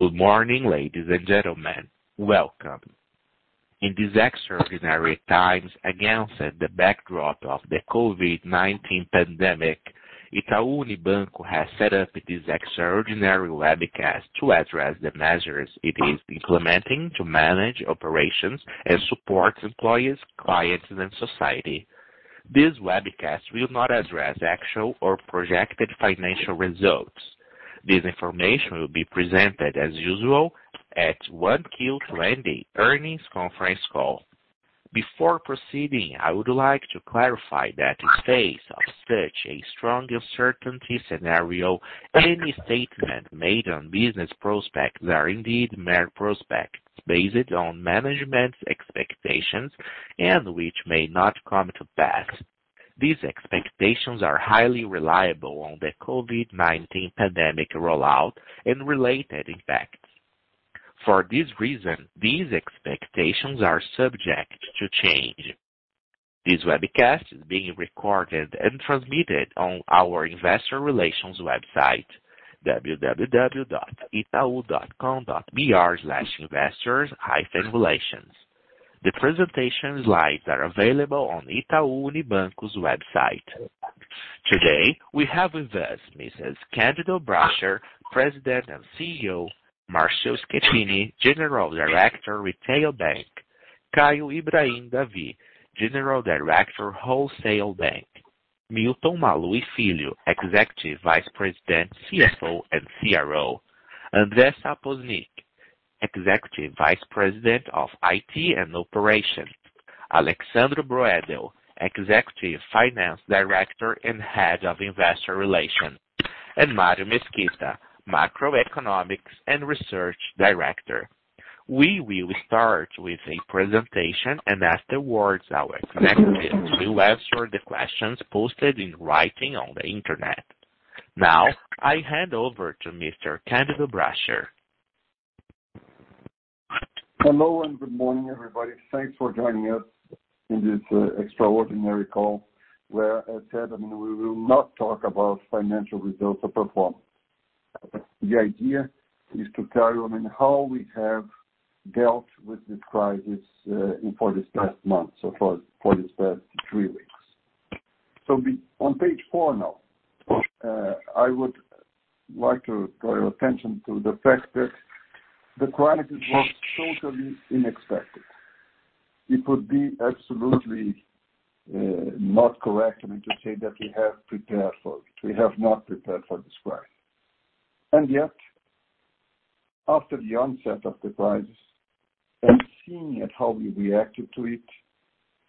Good morning, ladies and gentlemen. Welcome. In these extraordinary times, against the backdrop of the COVID-19 pandemic, Itaú Unibanco has set up these extraordinary webcasts to address the measures it is implementing to manage operations and support employees, clients, and society. These webcasts will not address actual or projected financial results. This information will be presented, as usual, at 1Q 2020 Earnings Conference Call. Before proceeding, I would like to clarify that in the face of such a strong uncertainty scenario, any statements made on business prospects are indeed mere prospects based on management's expectations and which may not come to pass. These expectations are highly reliable on the COVID-19 pandemic rollout and related impacts. For this reason, these expectations are subject to change. This webcast is being recorded and transmitted on our investor relations website, www.itau.com.br/investor-relations. The presentation slides are available on Itaú Unibanco's website. Today, we have with us Mr. Candido Bracher, President and CEO, Márcio Schettini, General Director, Retail Bank, Caio Ibrahim David, General Director, Wholesale Bank, Milton Maluhy Filho, Executive Vice President, CFO and CRO, André Sapoznik, Executive Vice President of IT and Operations, Alexsandro Broedel, Executive Finance Director and Head of Investor Relations, and Mário Mesquita, Macroeconomics and Research Director. We will start with a presentation and afterwards our executives will answer the questions posted in writing on the internet. Now, I hand over to Mr. Candido Bracher. Hello and good morning, everybody. Thanks for joining us in this extraordinary call where, as said, I mean, we will not talk about financial results or performance. The idea is to tell you, I mean, how we have dealt with this crisis for this past month, so for these past three weeks. So, on page four now, I would like to draw your attention to the fact that the crisis was totally unexpected. It would be absolutely not correct, I mean, to say that we have prepared for it. We have not prepared for this crisis, and yet, after the onset of the crisis and seeing how we reacted to it,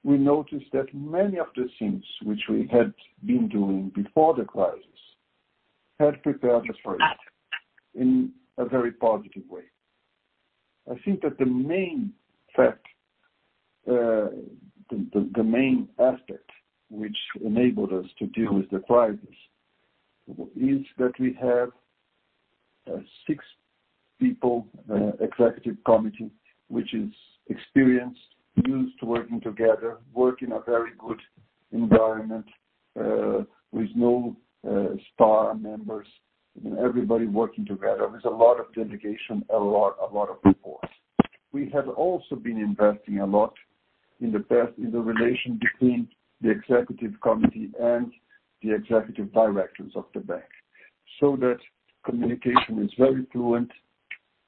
we noticed that many of the things which we had been doing before the crisis had prepared us for it in a very positive way. I think that the main fact, the main aspect which enabled us to deal with the crisis is that we have six people, an executive committee which is experienced, used to working together, working in a very good environment with no star members, everybody working together with a lot of dedication, a lot of effort. We have also been investing a lot in the relation between the executive committee and the executive directors of the bank so that communication is very fluent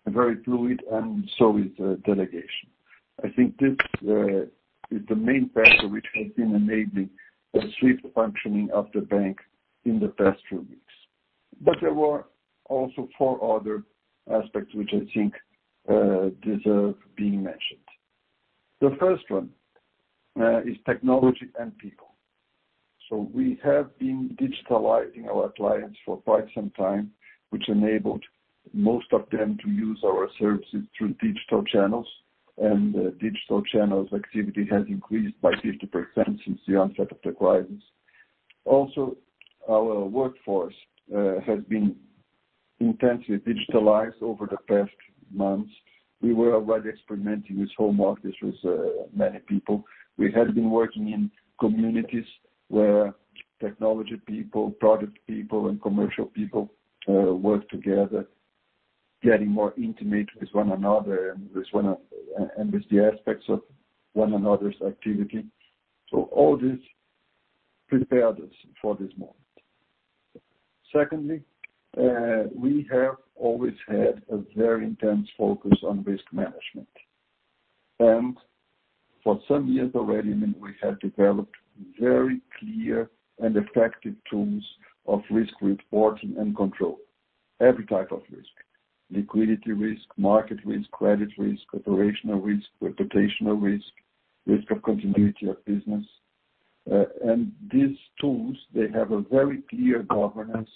and very fluid, and so is the delegation. I think this is the main factor which has been enabling the swift functioning of the bank in the past few weeks. But there were also four other aspects which I think deserve being mentioned. The first one is technology and people. So, we have been digitalizing our clients for quite some time, which enabled most of them to use our services through digital channels, and digital channels activity has increased by 50% since the onset of the crisis. Also, our workforce has been intensely digitalized over the past months. We were already experimenting with home offices with many people. We had been working in communities where technology people, product people, and commercial people worked together, getting more intimate with one another and with the aspects of one another's activity. So, all this prepared us for this moment. Secondly, we have always had a very intense focus on risk management. And for some years already, I mean, we have developed very clear and effective tools of risk reporting and control, every type of risk: liquidity risk, market risk, credit risk, operational risk, reputational risk, risk of continuity of business. These tools, they have a very clear governance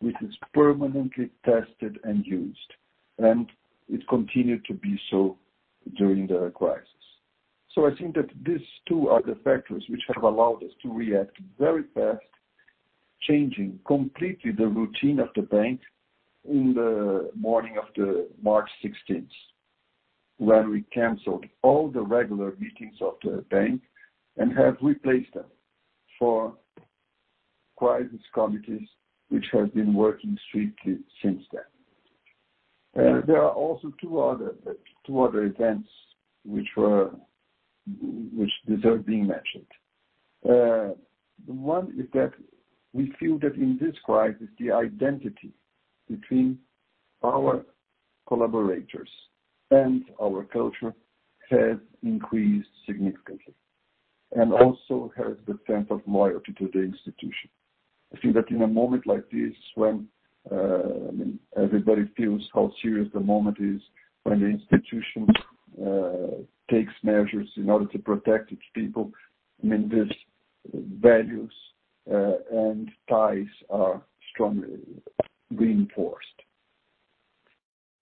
which is permanently tested and used, and it continued to be so during the crisis. I think that these two are the factors which have allowed us to react very fast, changing completely the routine of the bank in the morning of March 16th, when we canceled all the regular meetings of the bank and have replaced them for crisis committees which have been working strictly since then. There are also two other events which deserve being mentioned. One is that we feel that in this crisis, the identity between our collaborators and our culture has increased significantly and also has the sense of loyalty to the institution. I think that in a moment like this, when everybody feels how serious the moment is, when the institution takes measures in order to protect its people, I mean, these values and ties are strongly reinforced,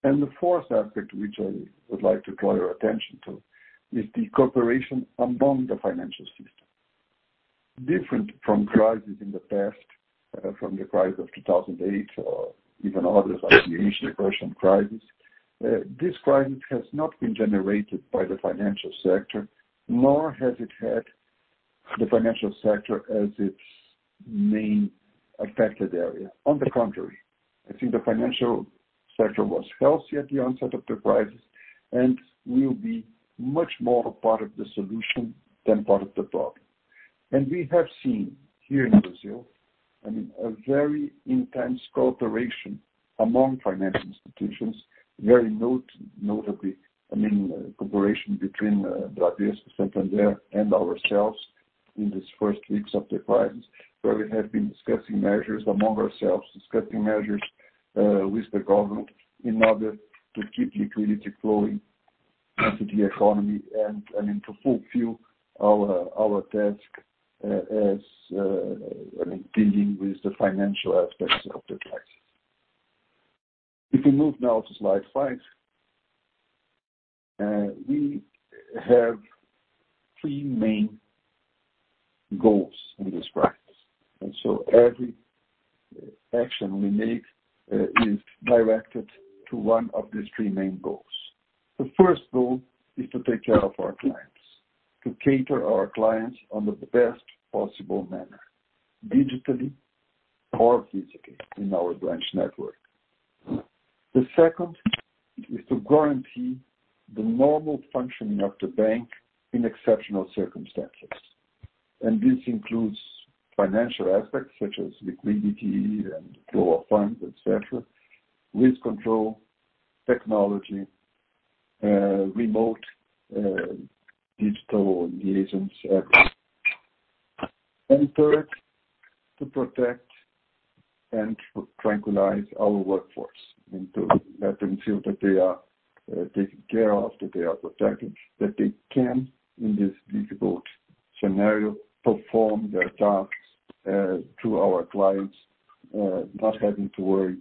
and the fourth aspect which I would like to draw your attention to is the cooperation among the financial system. Different from crises in the past, from the crisis of 2008 or even others like the initial Russian crisis, this crisis has not been generated by the financial sector, nor has it had the financial sector as its main affected area. On the contrary, I think the financial sector was healthy at the onset of the crisis and will be much more part of the solution than part of the problem. We have seen here in Brazil, I mean, a very intense cooperation among financial institutions, very notably, I mean, cooperation between Bradesco, Santander and ourselves in these first weeks of the crisis, where we have been discussing measures among ourselves, discussing measures with the government in order to keep liquidity flowing into the economy and, I mean, to fulfill our task as, I mean, dealing with the financial aspects of the crisis. If we move now to slide five, we have three main goals in this crisis, so every action we make is directed to one of these three main goals. The first goal is to take care of our clients, to cater our clients in the best possible manner, digitally or physically in our branch network. The second is to guarantee the normal functioning of the bank in exceptional circumstances. And this includes financial aspects such as liquidity and flow of funds, etc., risk control, technology, remote digital liaisons, everything. And third, to protect and tranquilize our workforce, to let them feel that they are taken care of, that they are protected, that they can, in this difficult scenario, perform their tasks to our clients, not having to worry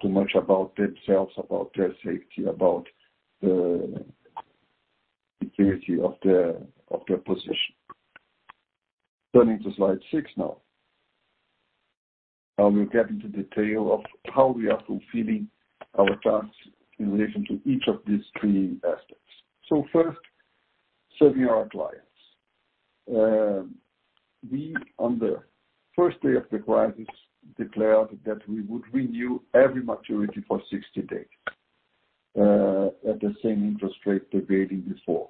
too much about themselves, about their safety, about the security of their position. Turning to slide six now, I will get into detail of how we are fulfilling our tasks in relation to each of these three aspects. So, first, serving our clients. We, on the first day of the crisis, declared that we would renew every maturity for 60 days at the same interest rate they paid before.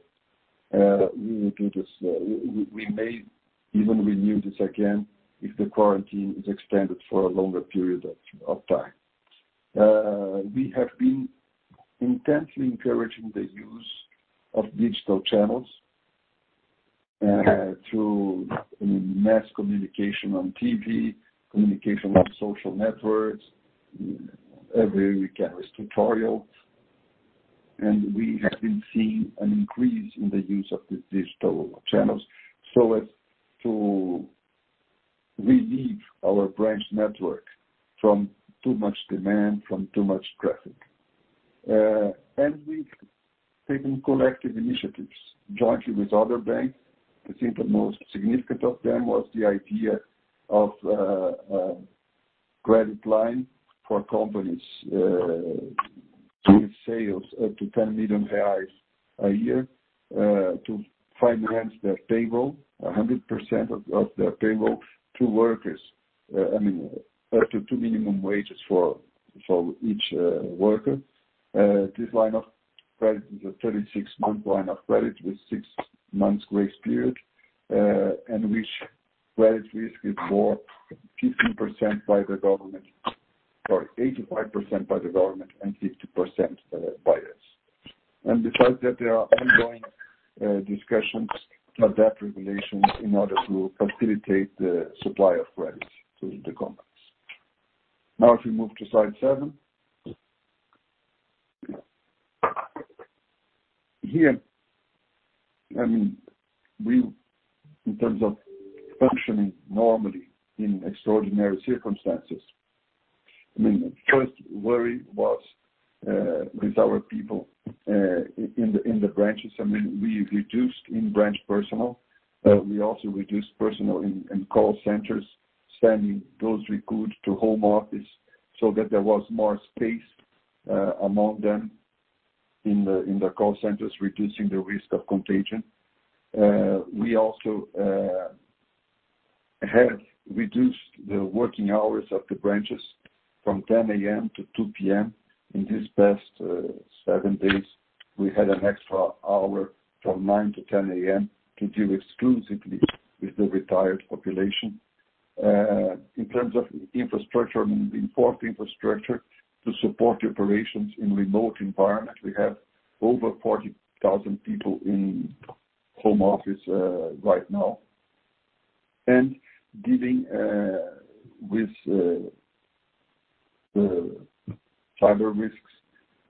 We will do this. We may even renew this again if the quarantine is extended for a longer period of time. We have been intensely encouraging the use of digital channels through mass communication on TV, communication on social networks, every weekend with tutorials. We have been seeing an increase in the use of the digital channels so as to relieve our branch network from too much demand, from too much traffic. We have taken collective initiatives jointly with other banks. I think the most significant of them was the idea of credit lines for companies with sales up to 10 million reais a year to finance their payroll, 100% of their payroll to workers, I mean, up to two minimum wages for each worker. This line of credit is a 36-month line of credit with a six-month grace period, and each credit risk is bought 15% by the government, sorry, 85% by the government, and 50% by us. Besides that, there are ongoing discussions for that regulation in order to facilitate the supply of credit to the companies. Now, if we move to slide seven, here, I mean, we, in terms of functioning normally in extraordinary circumstances, I mean, the first worry was with our people in the branches. I mean, we reduced in-branch personnel. We also reduced personnel in call centers, sending those recruits to home office so that there was more space among them in the call centers, reducing the risk of contagion. We also have reduced the working hours of the branches from 10:00 A.M. to 2:00 P.M. In these past seven days, we had an extra hour from 9:00 A.M. to 10:00 A.M. to deal exclusively with the retired population. In terms of infrastructure, I mean, we bought infrastructure to support operations in a remote environment. We have over 40,000 people in home office right now, and dealing with the cyber risks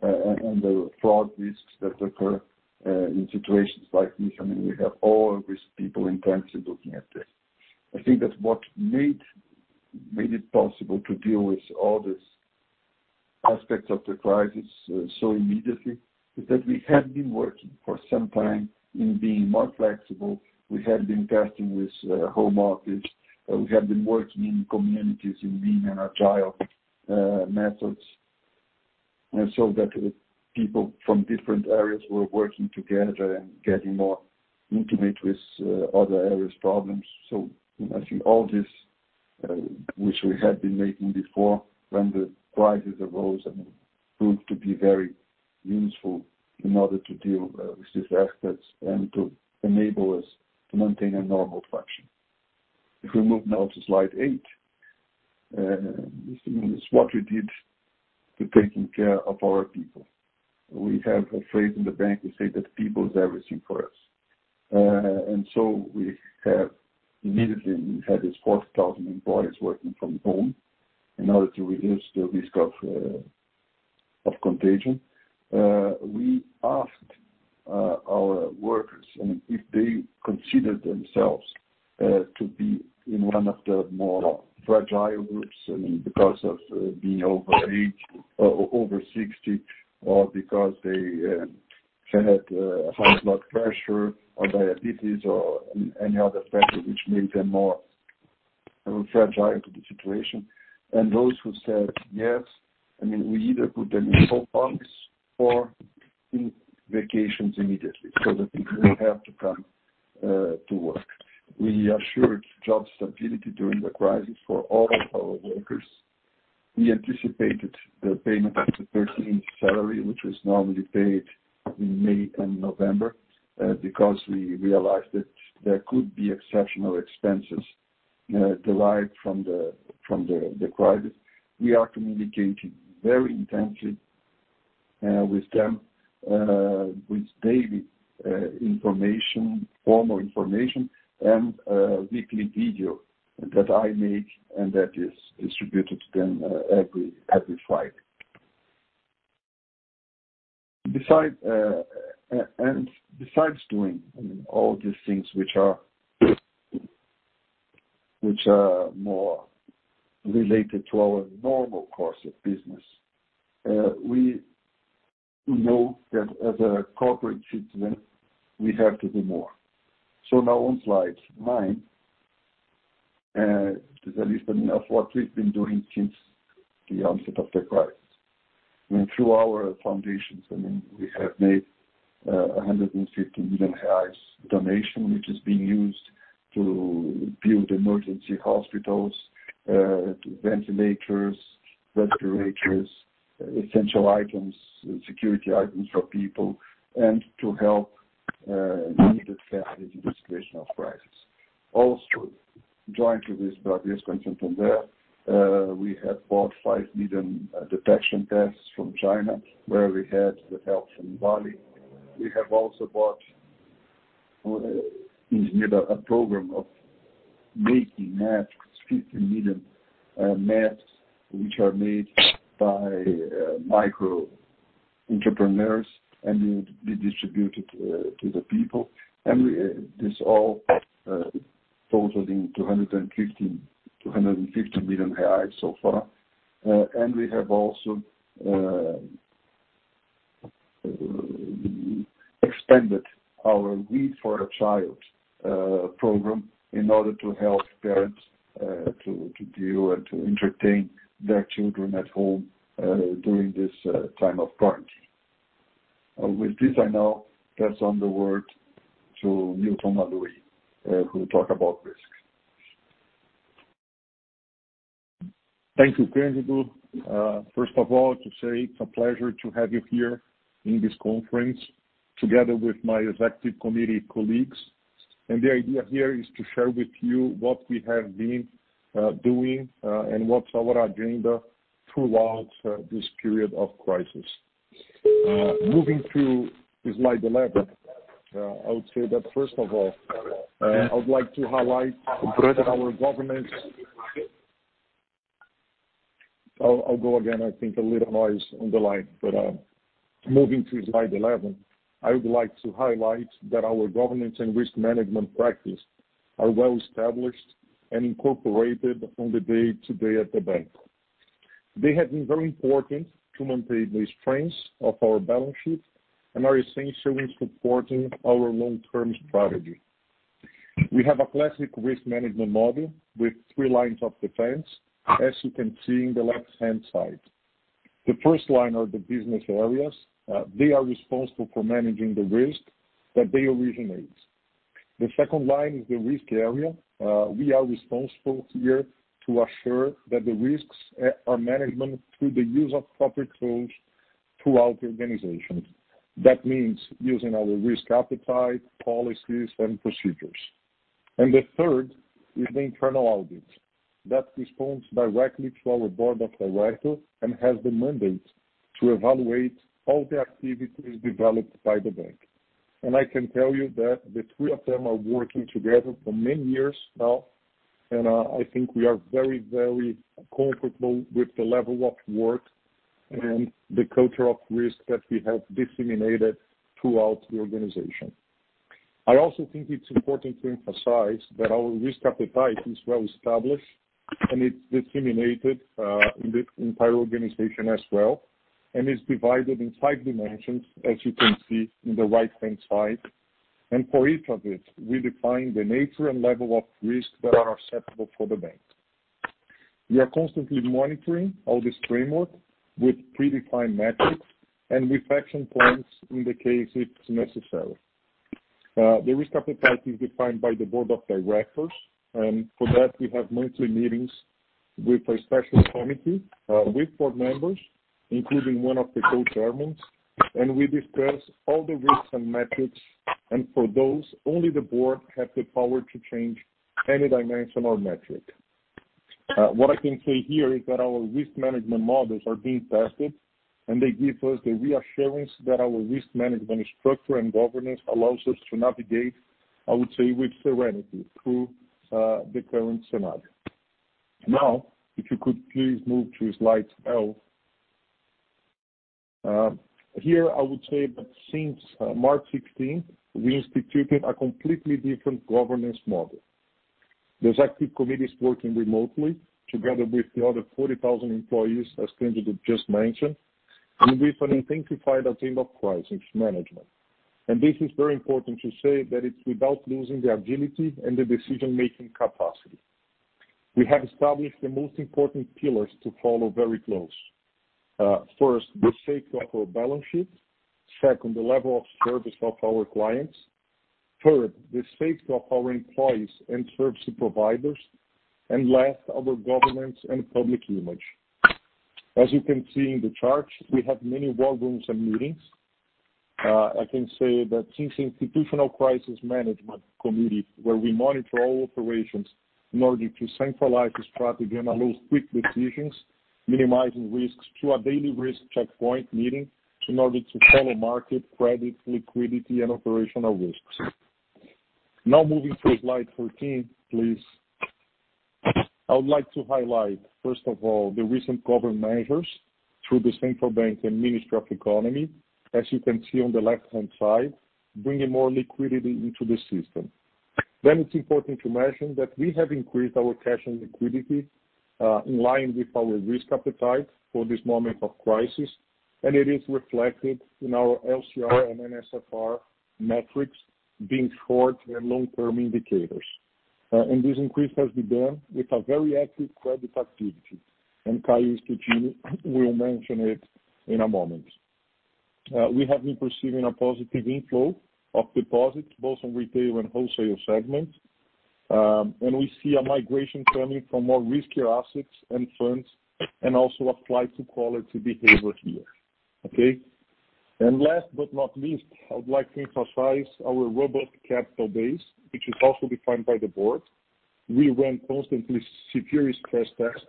and the fraud risks that occur in situations like this, I mean, we have all risk people intensely looking at this. I think that what made it possible to deal with all these aspects of the crisis so immediately is that we had been working for some time in being more flexible. We had been testing with home office. We had been working in communities in being an agile method so that people from different areas were working together and getting more intimate with other areas' problems, so I think all this, which we had been making before when the crisis arose, I mean, proved to be very useful in order to deal with these aspects and to enable us to maintain a normal function. If we move now to slide eight, this is what we did to taking care of our people. We have a phrase in the bank. We say that people is everything for us. And so, we have immediately had these 40,000 employees working from home in order to reduce the risk of contagion. We asked our workers, I mean, if they considered themselves to be in one of the more fragile groups, I mean, because of being over 80 or over 60 or because they had high blood pressure or diabetes or any other factor which made them more fragile to the situation. And those who said yes, I mean, we either put them in home office or in vacations immediately so that they didn't have to come to work. We assured job stability during the crisis for all of our workers. We anticipated the payment of the 13th salary, which was normally paid in May and November, because we realized that there could be exceptional expenses derived from the crisis. We are communicating very intensely with them with daily information, formal information, and weekly video that I make and that is distributed to them every Friday. Besides doing, I mean, all these things which are more related to our normal course of business, we know that as a corporate citizen, we have to do more. So now, on slide nine, there is a list of what we have been doing since the onset of the crisis. I mean, through our foundations, I mean, we have made a 150 million reais donation, which is being used to build emergency hospitals, ventilators, respirators, essential items, security items for people, and to help needed families in this situation of crisis. Also, jointly with Bradesco and Santander, we have bought five million detection tests from China, where we had the help from Vale. We have also bought, in general, a program of making masks, 50 million masks, which are made by microentrepreneurs and will be distributed to the people. And this all totaling 250 million so far. And we have also expanded our Read for a Child program in order to help parents to deal and to entertain their children at home during this time of quarantine. With this, I now pass on the word to Milton Maluhy Filho, who will talk about risks. Thank you, President. First of all, to say it's a pleasure to have you here in this conference together with my executive committee colleagues. And the idea here is to share with you what we have been doing and what's our agenda throughout this period of crisis. Moving to slide 11, I would say that, first of all, I would like to highlight that our governance and risk management practice are well established and incorporated on the day-to-day at the bank. They have been very important to maintain these trends of our balance sheet and are essential in supporting our long-term strategy. We have a classic risk management model with three lines of defense, as you can see in the left-hand side. The first line are the business areas. They are responsible for managing the risk that they originate. The second line is the risk area. We are responsible here to assure that the risks are managed through the use of proper tools throughout the organization. That means using our risk appetite, policies, and procedures, and the third is the internal audit that responds directly to our board of directors and has the mandate to evaluate all the activities developed by the bank. And I can tell you that the three of them are working together for many years now, and I think we are very, very comfortable with the level of work and the culture of risk that we have disseminated throughout the organization. I also think it's important to emphasize that our risk appetite is well established, and it's disseminated in the entire organization as well, and it's divided in five dimensions, as you can see in the right-hand side, and for each of these, we define the nature and level of risk that are acceptable for the bank. We are constantly monitoring all this framework with predefined metrics and with action plans in the case it's necessary. The risk appetite is defined by the board of directors, and for that, we have monthly meetings with a special committee with board members, including one of the co-chairmen, and we discuss all the risks and metrics. And for those, only the board has the power to change any dimension or metric. What I can say here is that our risk management models are being tested, and they give us the reassurance that our risk management structure and governance allows us to navigate, I would say, with serenity through the current scenario. Now, if you could please move to slide 12. Here, I would say that since March 16th, we instituted a completely different governance model. The executive committee is working remotely together with the other 40,000 employees, as Candido just mentioned, and with an intensified agenda of crisis management, and this is very important to say that it's without losing the agility and the decision-making capacity. We have established the most important pillars to follow very close. First, the safety of our balance sheet. Second, the level of service of our clients. Third, the safety of our employees and service providers, and last, our governance and public image. As you can see in the chart, we have many boardrooms and meetings. I can say that since the institutional crisis management committee, where we monitor all operations in order to centralize the strategy and allow quick decisions, minimizing risks to a daily risk checkpoint meeting in order to follow market, credit, liquidity, and operational risks. Now, moving to slide 14, please. I would like to highlight, first of all, the recent government measures through the Central Bank of Brazil and Ministry of Economy, as you can see on the left-hand side, bringing more liquidity into the system. Then it's important to mention that we have increased our cash and liquidity in line with our risk appetite for this moment of crisis, and it is reflected in our LCR and NSFR metrics being short- and long-term indicators. And this increase has begun with a very active credit activity, and Caio Ibrahim David will mention it in a moment. We have been perceiving a positive inflow of deposits, both in retail and wholesale segments, and we see a migration coming from more riskier assets and funds and also a flight to quality behavior here. Okay? And last but not least, I would like to emphasize our robust capital base, which is also defined by the board. We run constantly severe stress tests,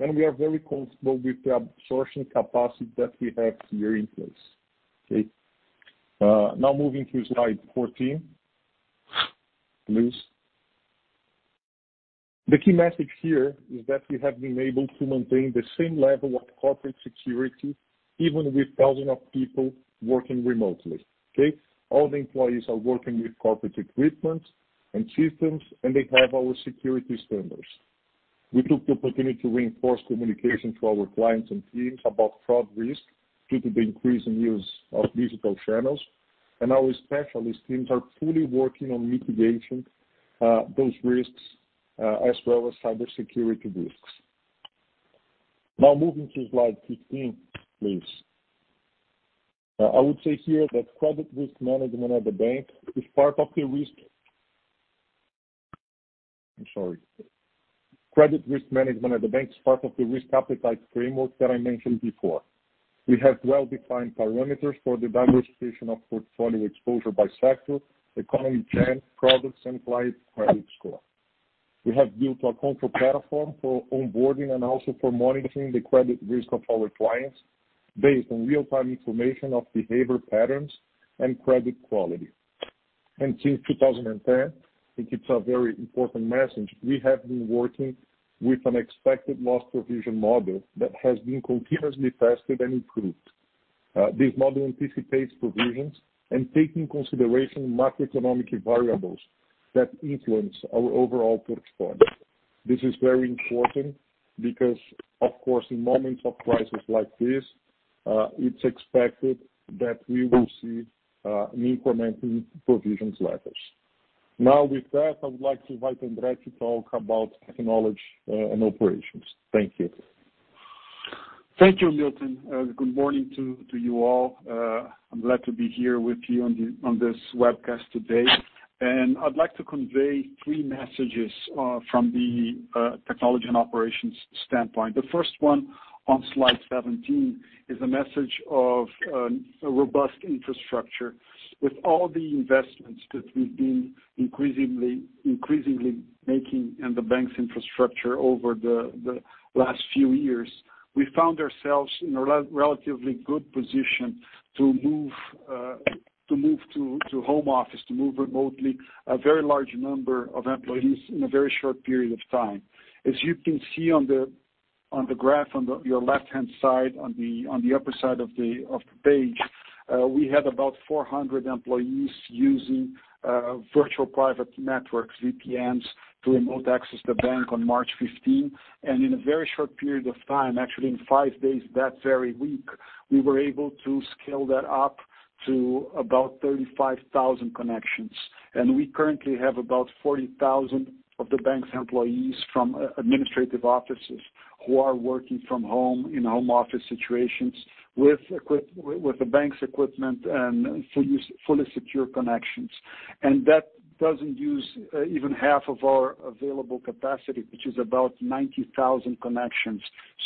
and we are very comfortable with the absorption capacity that we have here in place. Okay? Now, moving to slide 14, please. The key message here is that we have been able to maintain the same level of corporate security even with thousands of people working remotely. Okay? All the employees are working with corporate equipment and systems, and they have our security standards. We took the opportunity to reinforce communication to our clients and teams about fraud risk due to the increase in use of digital channels, and our specialist teams are fully working on mitigating those risks as well as cybersecurity risks. Now, moving to slide 15, please. I would say here that credit risk management at the bank is part of the risk. I'm sorry. Credit risk management at the bank is part of the risk appetite framework that I mentioned before. We have well-defined parameters for the diversification of portfolio exposure by sector, economy plan, products, and client credit score. We have built a control platform for onboarding and also for monitoring the credit risk of our clients based on real-time information of behavior patterns and credit quality, and since 2010, it's a very important message. We have been working with an expected loss provision model that has been continuously tested and improved. This model anticipates provisions and takes into consideration macroeconomic variables that influence our overall portfolio. This is very important because, of course, in moments of crisis like this, it's expected that we will see an increment in provisions levels. Now, with that, I would like to invite André to talk about technology and operations. Thank you. Thank you, Milton. Good morning to you all. I'm glad to be here with you on this webcast today. I'd like to convey three messages from the technology and operations standpoint. The first one on slide 17 is a message of robust infrastructure. With all the investments that we've been increasingly making in the bank's infrastructure over the last few years, we found ourselves in a relatively good position to move to home office, to move remotely a very large number of employees in a very short period of time. As you can see on the graph on your left-hand side, on the upper side of the page, we had about 400 employees using virtual private networks, VPNs, to remote access the bank on March 15th. In a very short period of time, actually in five days that very week, we were able to scale that up to about 35,000 connections. We currently have about 40,000 of the bank's employees from administrative offices who are working from home in home office situations with the bank's equipment and fully secure connections. That doesn't use even half of our available capacity, which is about 90,000 connections.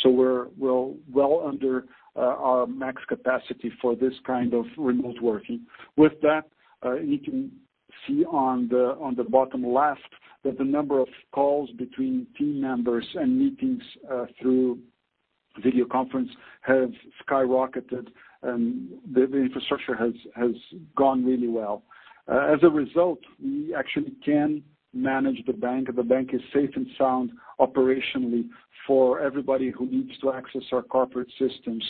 We're well under our max capacity for this kind of remote working. With that, you can see on the bottom left that the number of calls between team members and meetings through video conference has skyrocketed, and the infrastructure has gone really well. As a result, we actually can manage the bank. The bank is safe and sound operationally for everybody who needs to access our corporate systems.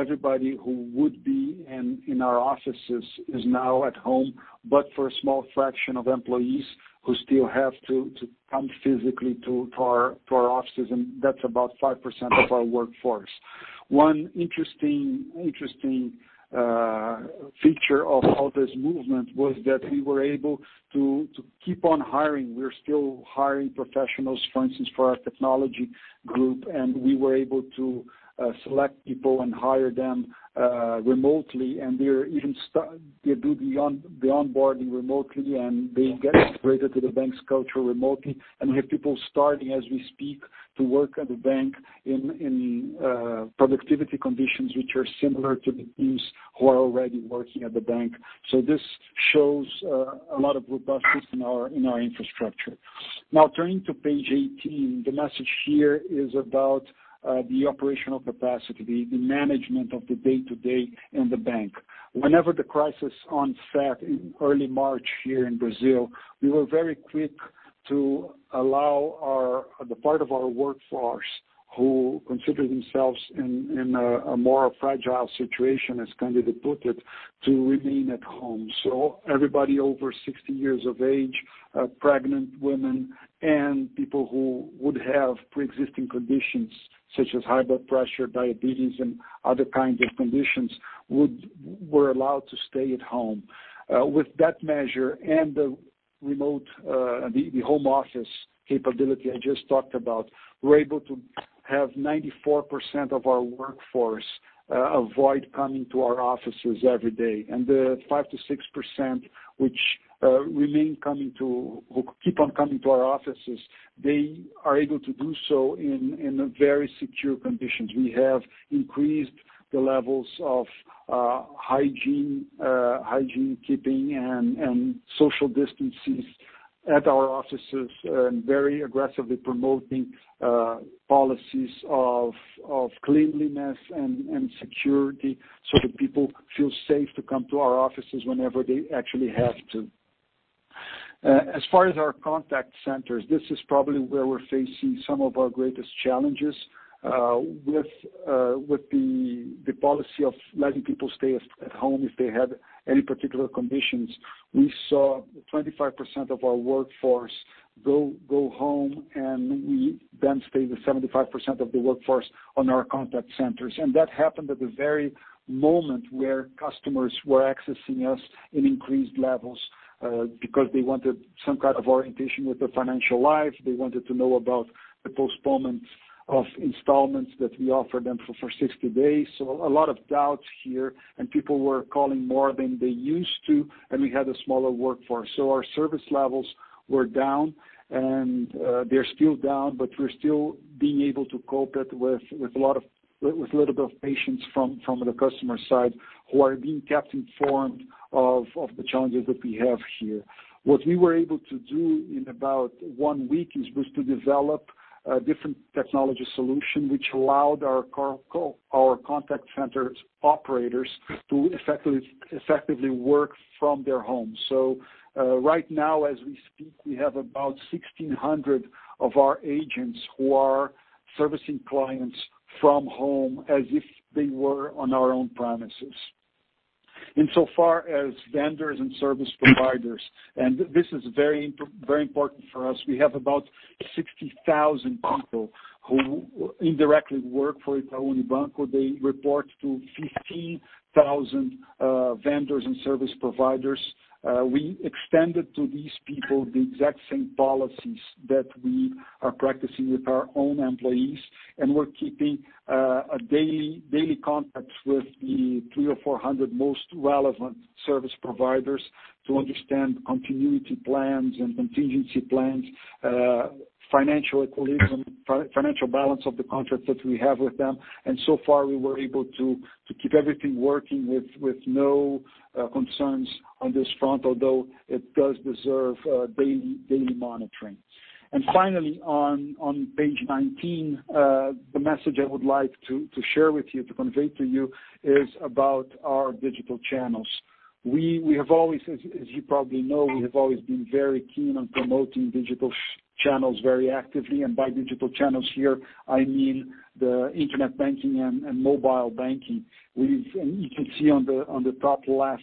Everybody who would be in our offices is now at home, but for a small fraction of employees who still have to come physically to our offices, and that's about 5% of our workforce. One interesting feature of all this movement was that we were able to keep on hiring. We're still hiring professionals, for instance, for our technology group, and we were able to select people and hire them remotely, and they do the onboarding remotely, and they get integrated to the bank's culture remotely, and we have people starting, as we speak, to work at the bank in productivity conditions, which are similar to the teams who are already working at the bank, so this shows a lot of robustness in our infrastructure. Now, turning to page 18, the message here is about the operational capacity, the management of the day-to-day in the bank. Whenever the crisis onset in early March here in Brazil, we were very quick to allow the part of our workforce who consider themselves in a more fragile situation, as Candido put it, to remain at home. Everybody over 60 years of age, pregnant women, and people who would have pre-existing conditions such as high blood pressure, diabetes, and other kinds of conditions were allowed to stay at home. With that measure and the remote, the home office capability I just talked about, we're able to have 94% of our workforce avoid coming to our offices every day. The 5%-6% which remain coming to, who keep on coming to our offices, they are able to do so in very secure conditions. We have increased the levels of hygiene keeping, and social distances at our offices, and very aggressively promoting policies of cleanliness and security so that people feel safe to come to our offices whenever they actually have to. As far as our contact centers, this is probably where we're facing some of our greatest challenges. With the policy of letting people stay at home if they have any particular conditions, we saw 25% of our workforce go home, and we then stayed with 75% of the workforce on our contact centers, and that happened at the very moment where customers were accessing us in increased levels because they wanted some kind of orientation with their financial life. They wanted to know about the postponement of installments that we offered them for 60 days, so a lot of doubts here, and people were calling more than they used to, and we had a smaller workforce, so our service levels were down, and they're still down, but we're still being able to cope with a little bit of patience from the customer side who are being kept informed of the challenges that we have here. What we were able to do in about one week is to develop a different technology solution which allowed our contact center operators to effectively work from their homes. So right now, as we speak, we have about 1,600 of our agents who are servicing clients from home as if they were on our own premises, insofar as vendors and service providers. And this is very important for us. We have about 60,000 people who indirectly work for Itaú Unibanco. They report to 15,000 vendors and service providers. We extended to these people the exact same policies that we are practicing with our own employees, and we're keeping daily contacts with the 300 or 400 most relevant service providers to understand continuity plans and contingency plans, financial equilibrium, financial balance of the contracts that we have with them. We were able to keep everything working with no concerns on this front, although it does deserve daily monitoring. Finally, on page 19, the message I would like to share with you, to convey to you, is about our digital channels. We have always, as you probably know, we have always been very keen on promoting digital channels very actively. By digital channels here, I mean the internet banking and mobile banking. You can see on the top left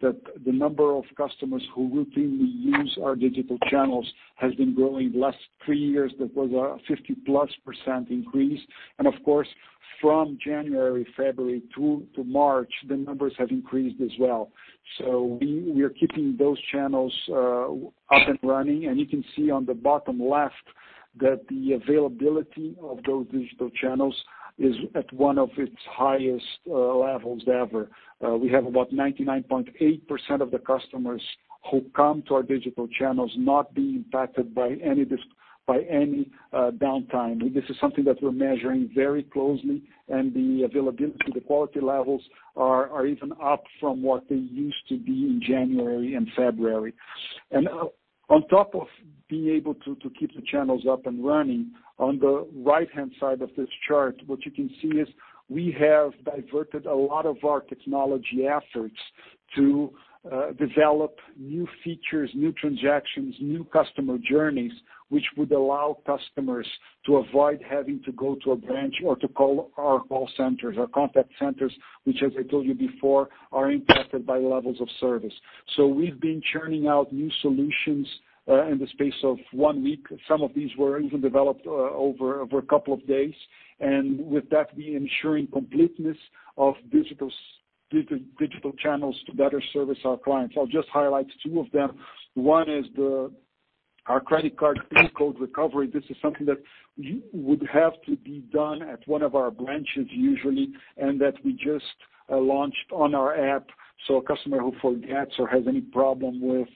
that the number of customers who routinely use our digital channels has been growing in the last three years. That was a 50%+ increase. Of course, from January, February, to March, the numbers have increased as well. We are keeping those channels up and running. You can see on the bottom left that the availability of those digital channels is at one of its highest levels ever. We have about 99.8% of the customers who come to our digital channels not being impacted by any downtime. This is something that we're measuring very closely, and the availability, the quality levels are even up from what they used to be in January and February. On top of being able to keep the channels up and running, on the right-hand side of this chart, what you can see is we have diverted a lot of our technology efforts to develop new features, new transactions, new customer journeys, which would allow customers to avoid having to go to a branch or to call our call centers or contact centers, which, as I told you before, are impacted by levels of service. We've been churning out new solutions in the space of one week. Some of these were even developed over a couple of days. With that, we are ensuring completeness of digital channels to better service our clients. I'll just highlight two of them. One is our credit card PIN code recovery. This is something that would have to be done at one of our branches usually, and that we just launched on our app. A customer who forgets or has any problem with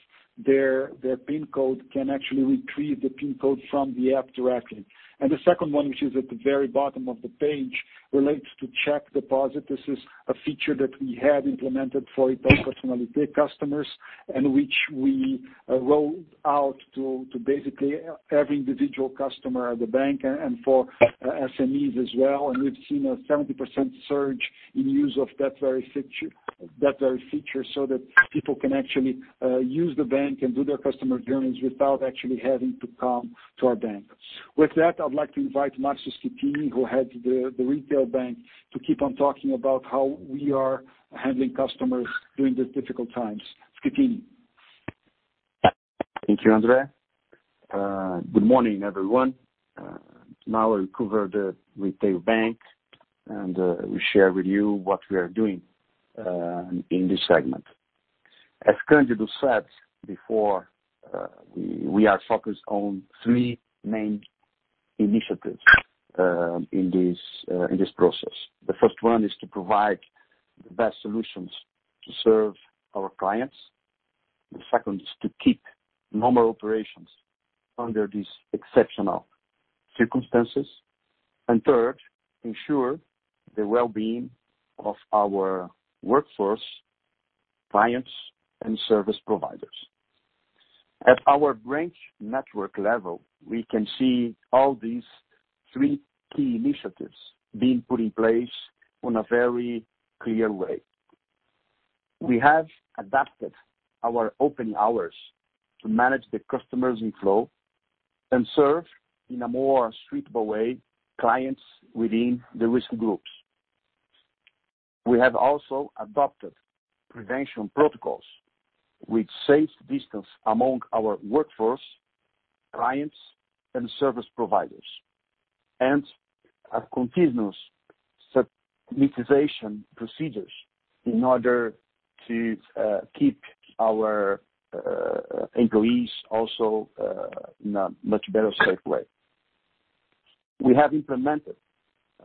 their PIN code can actually retrieve the PIN code from the app directly. The second one, which is at the very bottom of the page, relates to check deposit. This is a feature that we have implemented for Itaú Personnalité customers and which we rolled out to basically every individual customer at the bank and for SMEs as well. And we've seen a 70% surge in use of that very feature so that people can actually use the bank and do their customer journeys without actually having to come to our bank. With that, I'd like to invite Márcio Schettini, who heads the retail bank, to keep on talking about how we are handling customers during these difficult times. Schettini. Thank you, André. Good morning, everyone. Now, we'll cover the retail bank, and we'll share with you what we are doing in this segment. As Candido said before, we are focused on three main initiatives in this process. The first one is to provide the best solutions to serve our clients. The second is to keep normal operations under these exceptional circumstances. And third, ensure the well-being of our workforce, clients, and service providers. At our branch network level, we can see all these three key initiatives being put in place in a very clear way. We have adapted our opening hours to manage the customers' inflow and serve in a more suitable way clients within the risk groups. We have also adopted prevention protocols which safely distance among our workforce, clients, and service providers, and have continuous mitigation procedures in order to keep our employees also in a much better safe way. We have implemented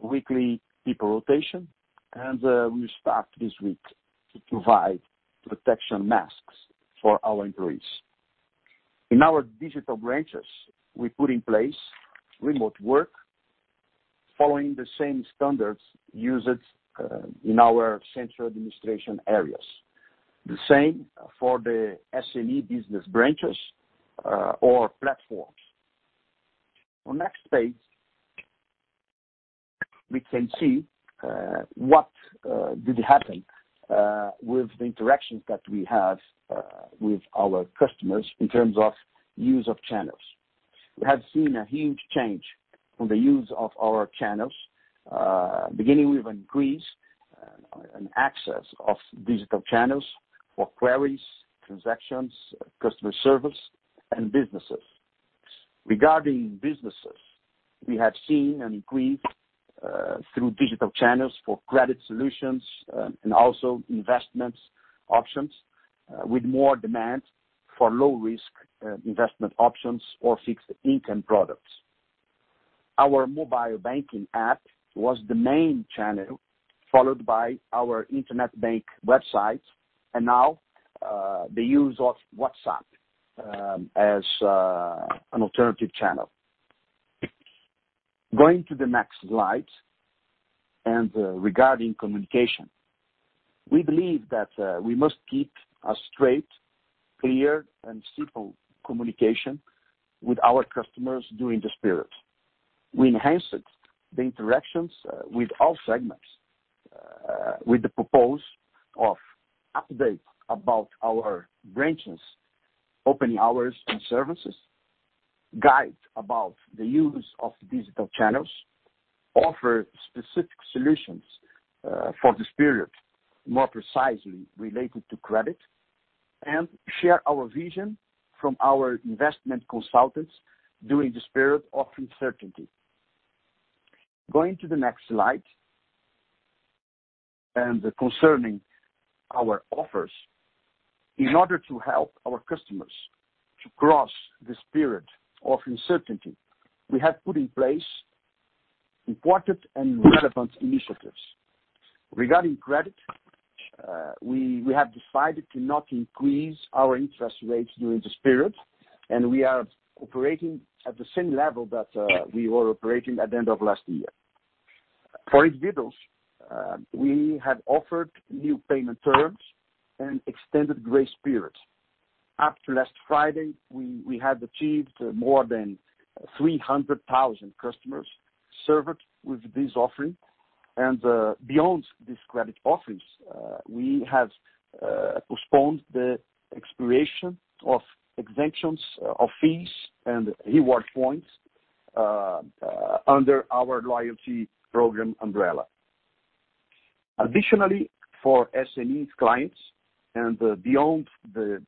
weekly people rotation, and we start this week to provide protection masks for our employees. In our digital branches, we put in place remote work following the same standards used in our central administration areas. The same for the SME business branches or platforms. On the next page, we can see what did happen with the interactions that we have with our customers in terms of use of channels. We have seen a huge change in the use of our channels, beginning with an increase in access of digital channels for queries, transactions, customer service, and businesses. Regarding businesses, we have seen an increase through digital channels for credit solutions and also investment options with more demand for low-risk investment options or fixed-income products. Our mobile banking app was the main channel, followed by our internet bank website, and now the use of WhatsApp as an alternative channel. Going to the next slide and regarding communication, we believe that we must keep a straight, clear, and simple communication with our customers during this period. We enhanced the interactions with all segments with the proposal of updates about our branches, opening hours and services, guides about the use of digital channels, offer specific solutions for this period, more precisely related to credit, and share our vision from our investment consultants during this period of uncertainty. Going to the next slide and concerning our offers, in order to help our customers to cross this period of uncertainty, we have put in place important and relevant initiatives. Regarding credit, we have decided to not increase our interest rates during this period, and we are operating at the same level that we were operating at the end of last year. For individuals, we have offered new payment terms and extended grace period. Up to last Friday, we had achieved more than 300,000 customers served with this offering. Beyond these credit offerings, we have postponed the expiration of exemptions of fees and reward points under our loyalty program umbrella. Additionally, for SME clients and beyond, the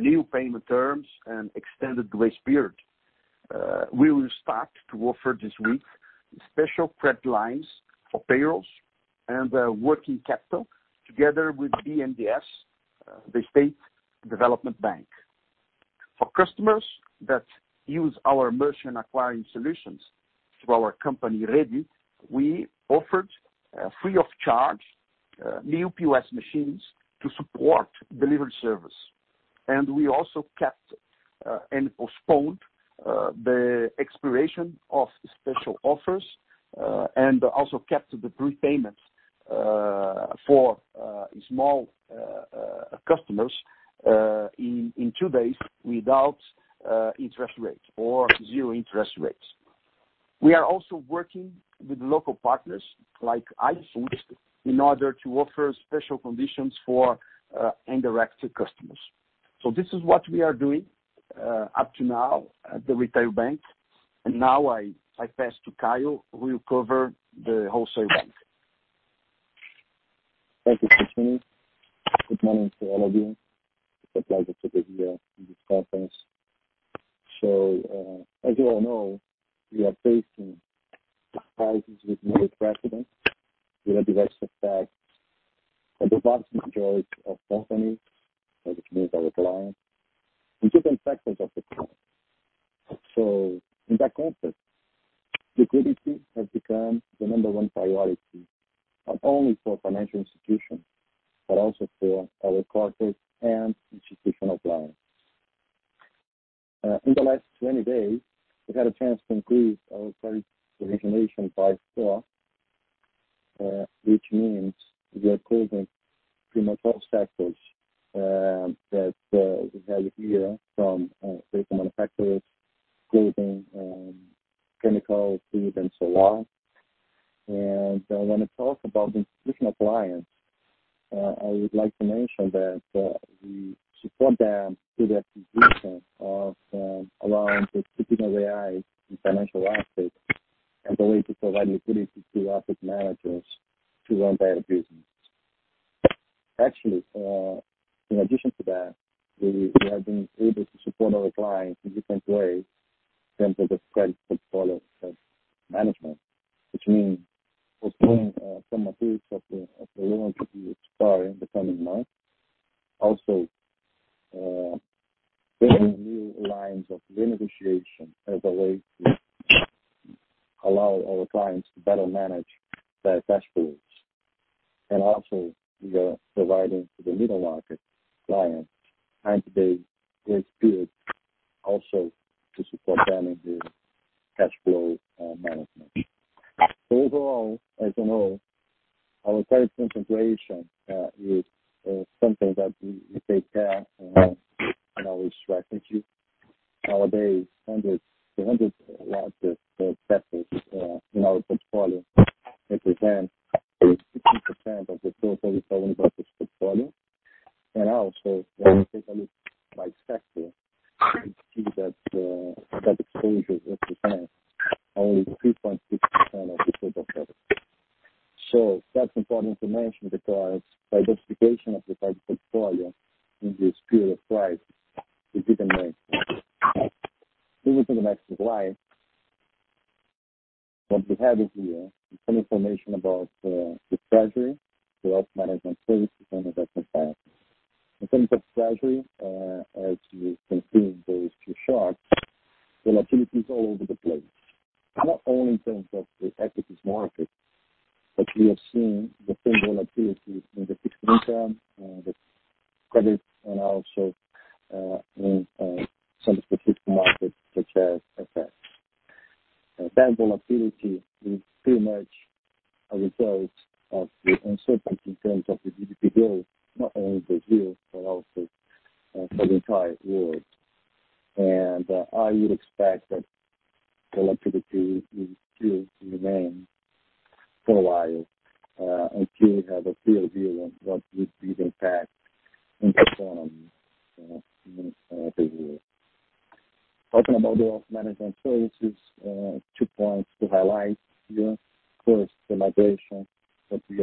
new payment terms and extended grace period, we will start to offer this week special credit lines for payrolls and working capital together with BNDES, the state development bank. For customers that use our merchant acquiring solutions through our company, Rede, we offered free of charge new POS machines to support delivery service. We also kept and postponed the expiration of special offers and also kept the prepayments for small customers in two days without interest rates or zero interest rates. We are also working with local partners like iFood in order to offer special conditions for indirect customers. This is what we are doing up to now at the retail bank. And now I pass to Caio, who will cover the wholesale bank. Thank you, Schettini. Good morning to all of you. It's a pleasure to be here in this conference. So as you all know, we are facing a crisis with no precedent due to the direct effect of the vast majority of companies, which means our clients, and different sectors of the client. So in that context, liquidity has become the number one priority not only for financial institutions but also for our corporate and institutional clients. In the last 20 days, we had a chance to increase our credit origination by four, which means we are closing pretty much all sectors that we have here from auto manufacturers, clothing, chemicals, food, and so on. When I talk about institutional clients, I would like to mention that we support them through their position around the [adoption of AI and financial assets as a way to provide liquidity to asset managers to run their business. Actually, in addition to that, we have been able to support our clients in different ways in terms of the credit portfolio management, which means postponing some of the loans we start in the coming months. Also, creating new lines of renegotiation as a way to allow our clients to better manage their cash flows. We are also providing to the middle market clients a three-month grace period also to support them in their cash flow management. Overall, as you know, our credit concentration is something that we take care and always stress with you. Nowadays, the top 100 largest sectors in our portfolio represent 15% of the total retail investors' portfolio. And also, when we take a look by sector, we see that that exposure represents only 3.6% of the total service. So that's important to mention because diversification of the credit portfolio in this period of crisis is even necessary. Moving to the next slide, what we have is some information about the treasury, wealth management services, and investment banking. In terms of treasury, as you can see in those two charts, volatility is all over the place, not only in terms of the equity market, but we have seen the same volatility in the fixed income, the credit, and also in some specific markets such as FX. That volatility is pretty much a result of the uncertainty in terms of the GDP growth, not only Brazil but also for the entire world. And I would expect that volatility will still remain for a while until we have a clear view on what would be the impact in the economy in Brazil. Talking about wealth management services, two points to highlight here. First, the migration that we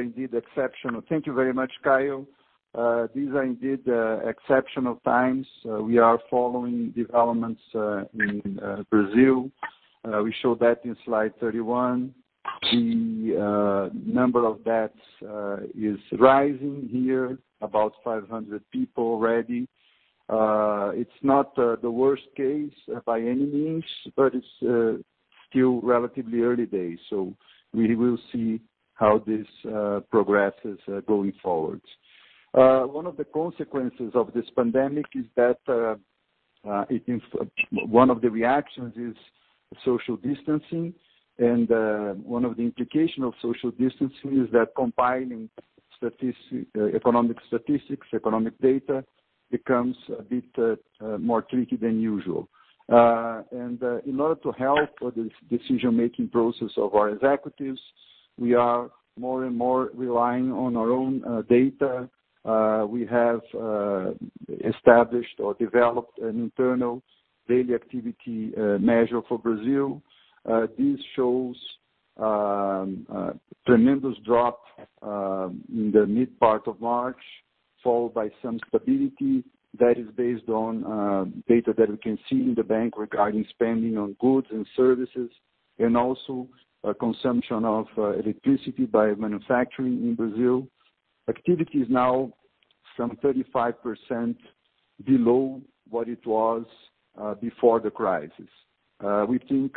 indeed exceptional. Thank you very much, Caio. These are indeed exceptional times. We are following developments in Brazil. We showed that in slide 31. The number of deaths is rising here, about 500 people already. It's not the worst case by any means, but it's still relatively early days. So we will see how this progresses going forward. One of the consequences of this pandemic is that one of the reactions is social distancing, and one of the implications of social distancing is that combining economic statistics, economic data becomes a bit more tricky than usual, and in order to help with the decision-making process of our executives, we are more and more relying on our own data. We have established or developed an internal daily activity measure for Brazil. This shows a tremendous drop in the mid part of March, followed by some stability that is based on data that we can see in the bank regarding spending on goods and services and also consumption of electricity by manufacturing in Brazil. Activity is now some 35% below what it was before the crisis. We think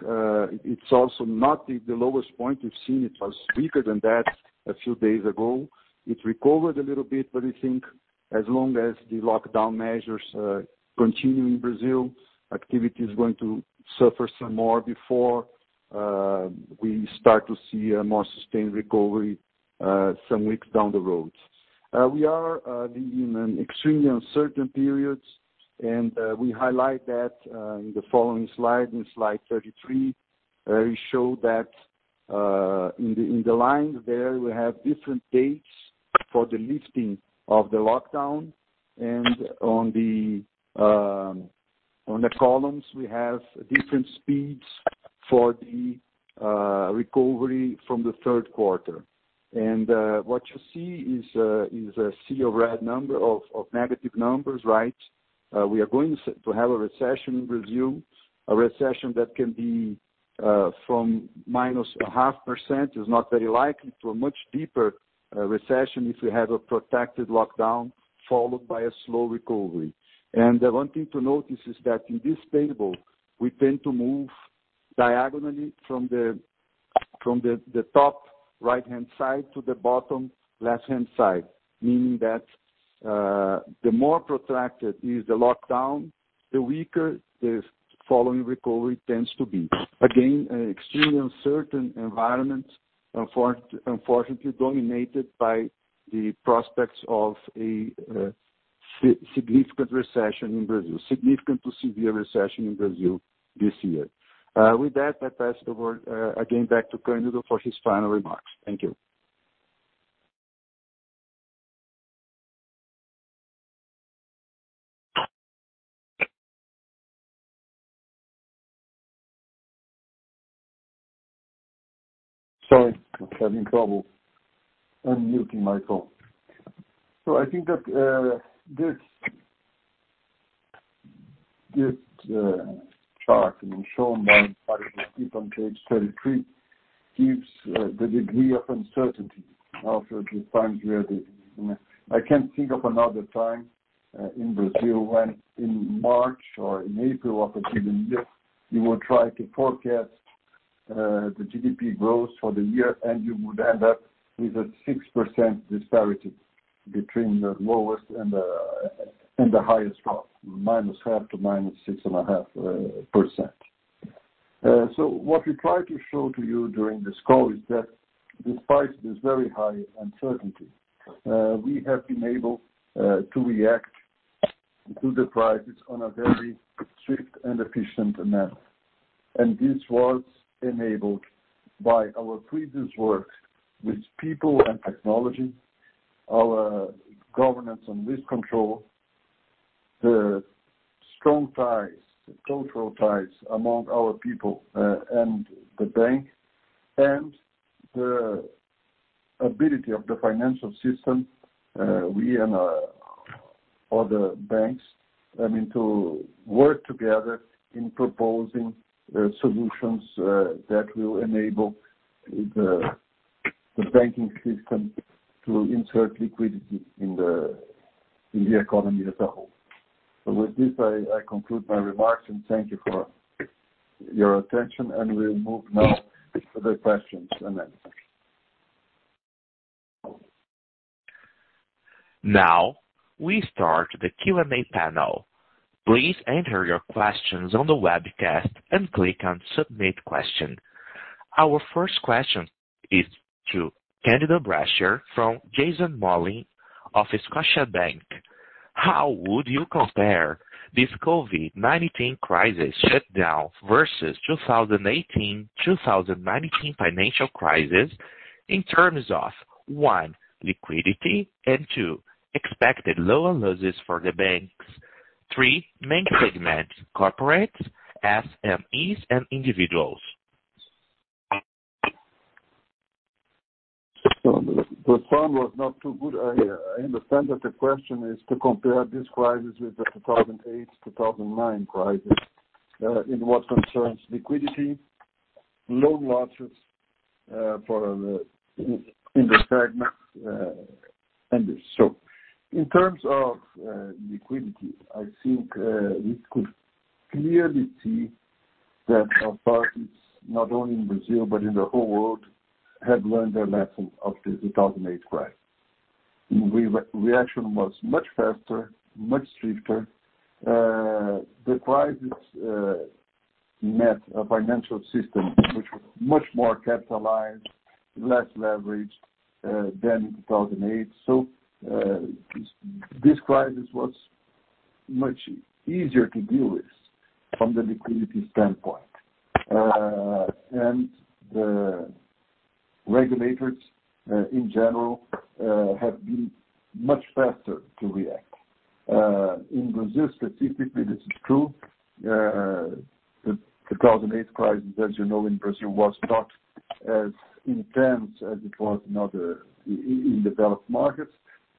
it's also not the lowest point we've seen. It was weaker than that a few days ago. It recovered a little bit, but we think as long as the lockdown measures continue in Brazil, activity is going to suffer some more before we start to see a more sustained recovery some weeks down the road. We are in an extremely uncertain period. And we highlight that in the following slide, in slide 33, we show that in the lines there, we have different dates for the lifting of the lockdown. And on the columns, we have different speeds for the recovery from the third quarter. And what you see is a sea of red, number of negative numbers, right? We are going to have a recession in Brazil, a recession that can be from -0.5%, is not very likely, to a much deeper recession if we have a protracted lockdown followed by a slow recovery. And one thing to notice is that in this table, we tend to move diagonally from the top right-hand side to the bottom left-hand side, meaning that the more protracted is the lockdown, the weaker the following recovery tends to be. Again, an extremely uncertain environment, unfortunately, dominated by the prospects of a significant recession in Brazil, significant to severe recession in Brazil this year. With that, I pass the word again back to Candido for his final remarks. Thank you. Sorry, I'm having trouble unmuting my phone, so I think that this chart shown by the people on page 33 gives the degree of uncertainty of the times we are living. I can't think of another time in Brazil when in March or in April of a given year, you will try to forecast the GDP growth for the year, and you would end up with a 6% disparity between the lowest and the highest drop, -0.5% to -6.5%. So what we try to show to you during this call is that despite this very high uncertainty, we have been able to react to the crisis on a very swift and efficient manner. This was enabled by our previous work with people and technology, our governance and risk control, the strong ties, cultural ties among our people and the bank, and the ability of the financial system, we and other banks, I mean, to work together in proposing solutions that will enable the banking system to insert liquidity in the economy as a whole. So with this, I conclude my remarks, and thank you for your attention. And we'll move now to the questions and answers. Now we start the Q&A panel. Please enter your questions on the webcast and click on Submit Question. Our first question is to Candido Bracher from Jason Mollin of Scotiabank. How would you compare this COVID-19 crisis shutdown versus 2018-2019 financial crisis in terms of, one, liquidity and, two, expected loan losses for the banks? Three, main segment, corporates, SMEs, and individuals? The sound was not too good. I understand that the question is to compare this crisis with the 2008-2009 crisis in what concerns liquidity, loan losses in the segment, and this, so in terms of liquidity, I think we could clearly see that authorities, not only in Brazil but in the whole world, have learned their lesson of the 2008 crisis. The reaction was much faster, much stricter. The crisis met a financial system which was much more capitalized, less leveraged than in 2008, so this crisis was much easier to deal with from the liquidity standpoint, and the regulators in general have been much faster to react. In Brazil specifically, this is true. The 2008 crisis, as you know, in Brazil was not as intense as it was in other developed markets,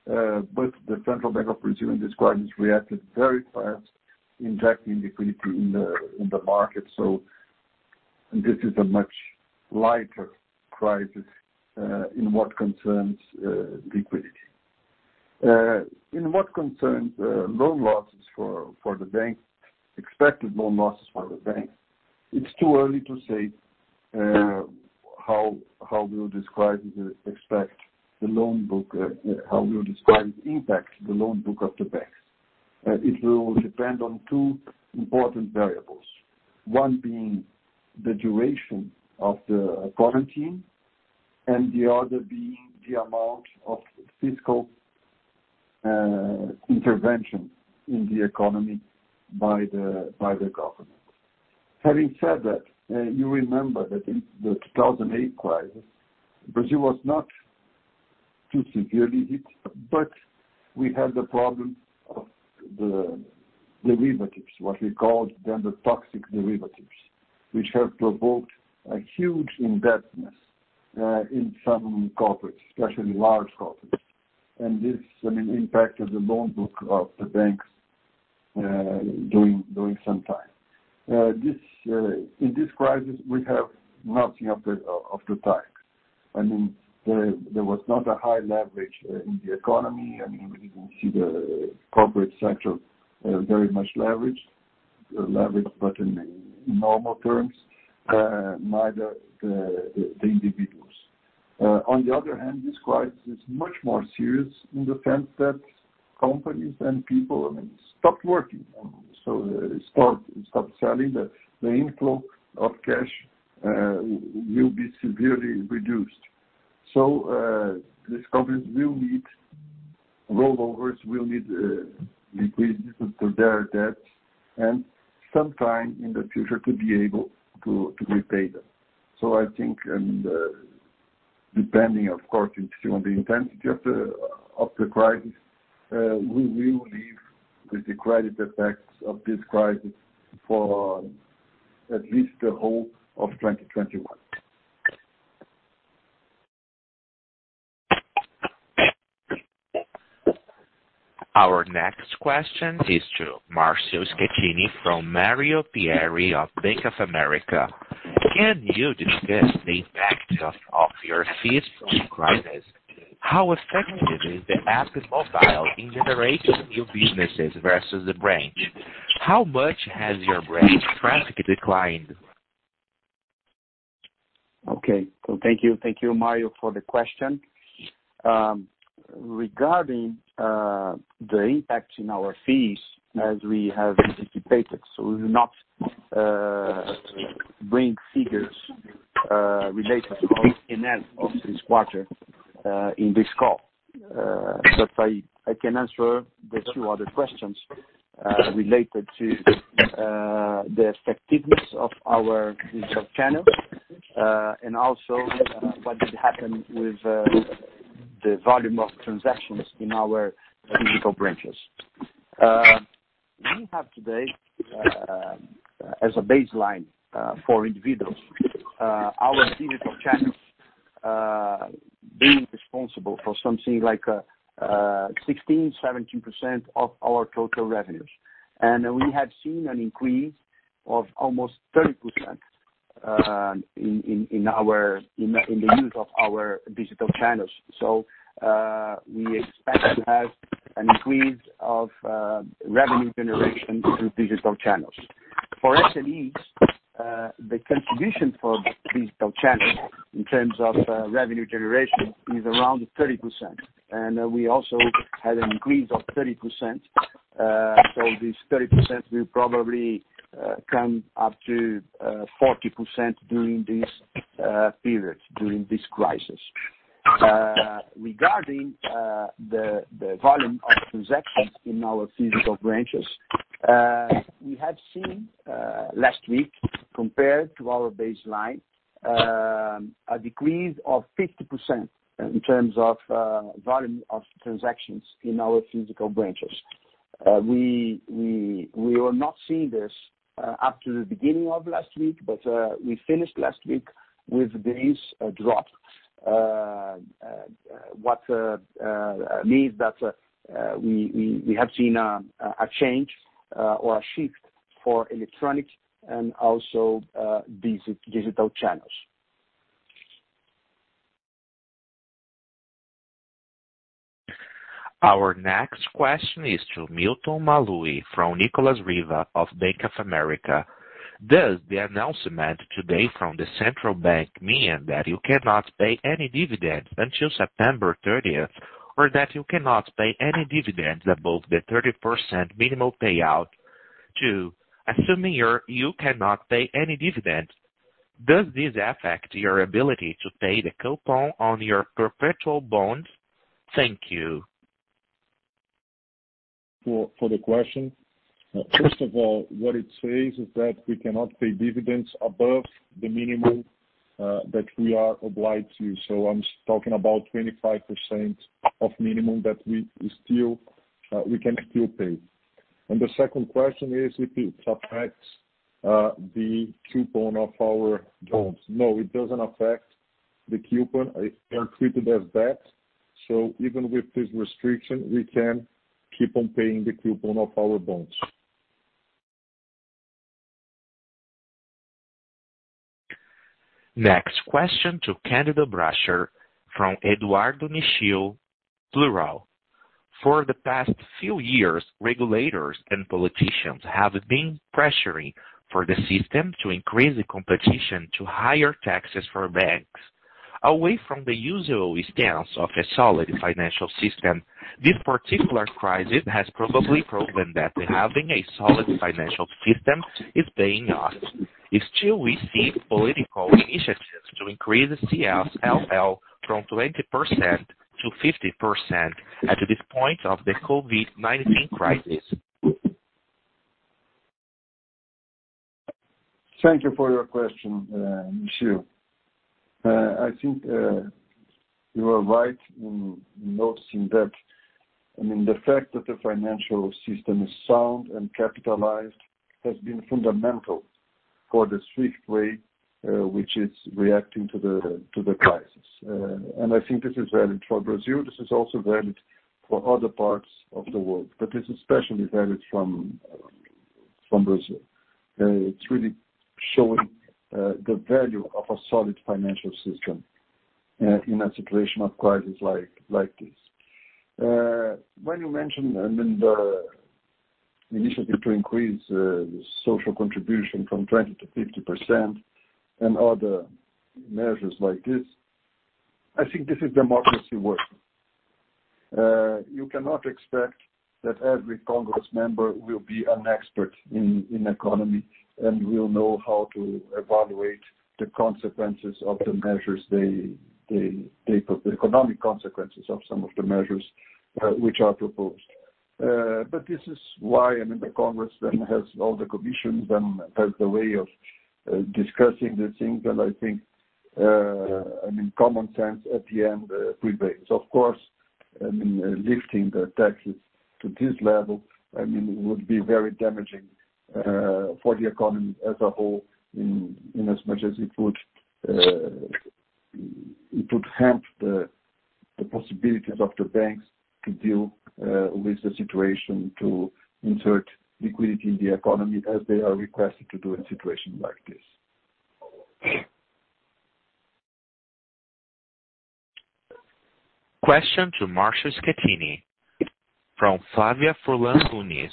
but the Central Bank of Brazil in this crisis reacted very fast, injecting liquidity in the market. So this is a much lighter crisis in what concerns liquidity. In what concerns loan losses for the banks, expected loan losses for the banks, it's too early to say how will this crisis affect the loan book? how will this crisis impact the loan book of the banks. It will depend on two important variables, one being the duration of the quarantine and the other being the amount of fiscal intervention in the economy by the government. Having said that, you remember that in the 2008 crisis, Brazil was not too severely hit, but we had the problem of the derivatives, what we called then the toxic derivatives, which have provoked a huge indebtedness in some corporates, especially large corporates. And this, I mean, impacted the loan book of the banks during some time. In this crisis, we have nothing of the type. I mean, there was not a high leverage in the economy. I mean, we didn't see the corporate sector very much leveraged, leveraged but in normal terms, neither the individuals. On the other hand, this crisis is much more serious in the sense that companies and people, I mean, stopped working. So they stopped selling. The inflow of cash will be severely reduced. So these companies will need rollovers, will need liquidity to their debts, and sometime in the future to be able to repay them. So I think, I mean, depending, of course, on the intensity of the crisis, we will live with the credit effects of this crisis for at least the whole of 2021. Our next question is to Márcio Schettini from Mario Pierry of Bank of America. Can you discuss the impact of your fees from the crisis? How effective is the app mobile in generating new businesses versus the branch? How much has your branch traffic declined? Okay, so thank you, thank you, Mario, for the question. Regarding the impact in our fees, as we have anticipated, so we will not bring figures related to the end of this quarter in this call. But I can answer the two other questions related to the effectiveness of our digital channels and also what did happen with the volume of transactions in our physical branches. We have today, as a baseline for individuals, our digital channels being responsible for something like 16-17% of our total revenues. And we have seen an increase of almost 30% in the use of our digital channels, so we expect to have an increase of revenue generation through digital channels. For SMEs, the contribution for digital channels in terms of revenue generation is around 30%, and we also had an increase of 30%, so this 30% will probably come up to 40% during this period, during this crisis. Regarding the volume of transactions in our physical branches, we have seen last week, compared to our baseline, a decrease of 50% in terms of volume of transactions in our physical branches. We were not seeing this up to the beginning of last week, but we finished last week with this drop, which means that we have seen a change or a shift for electronic and also digital channels. Our next question is to Milton Maluhy Filho from Nicolas Riva of Bank of America. Does the announcement today from the Central Bank mean that you cannot pay any dividends until September 30th or that you cannot pay any dividends above the 30% minimum payout? Two, assuming you cannot pay any dividends, does this affect your ability to pay the coupon on your perpetual bonds? Thank you. For the question, first of all, what it says is that we cannot pay dividends above the minimum that we are obliged to. So I'm talking about 25% minimum that we can still pay. And the second question is if it affects the coupon of our bonds. No, it doesn't affect the coupon. They're treated as debt. So even with this restriction, we can keep on paying the coupon of our bonds. Next question to Candido Bracher from Eduardo Nishio, Brasil Plural. For the past few years, regulators and politicians have been pressuring for the system to increase the competition to higher taxes for banks. Away from the usual stance of a solid financial system, this particular crisis has probably proven that having a solid financial system is paying off. Still, we see political initiatives to increase the CSLL from 20%-50% at this point of the COVID-19 crisis. Thank you for your question, Nicolas. I think you are right in noticing that, I mean, the fact that the financial system is sound and capitalized has been fundamental for the swift way which is reacting to the crisis. And I think this is valid for Brazil. This is also valid for other parts of the world. But this is especially valid from Brazil. It's really showing the value of a solid financial system in a situation of crisis like this. When you mentioned, I mean, the initiative to increase social contribution from 20% to 50% and other measures like this, I think this is democracy work. You cannot expect that every Congress member will be an expert in economy and will know how to evaluate the consequences of the measures, the economic consequences of some of the measures which are proposed. But this is why, I mean, the Congress then has all the commissions and has the way of discussing the things. And I think, I mean, common sense at the end prevails. Of course, I mean, lifting the taxes to this level, I mean, would be very damaging for the economy as a whole in as much as it would hamper the possibilities of the banks to deal with the situation, to insert liquidity in the economy as they are requested to do in a situation like this. Question to Márcio Schettini from Flávia Furlan Nunes,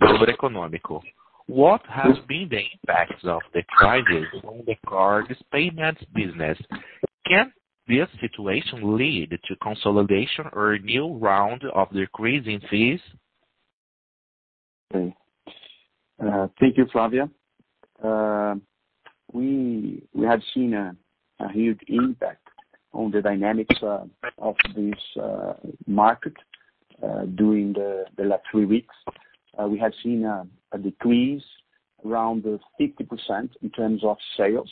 Bloomberg Economics. What have been the impacts of the crisis on the card payments business? Can this situation lead to consolidation or a new round of decreasing fees? Thank you, Flávia. We have seen a huge impact on the dynamics of this market during the last three weeks. We have seen a decrease around 50% in terms of sales,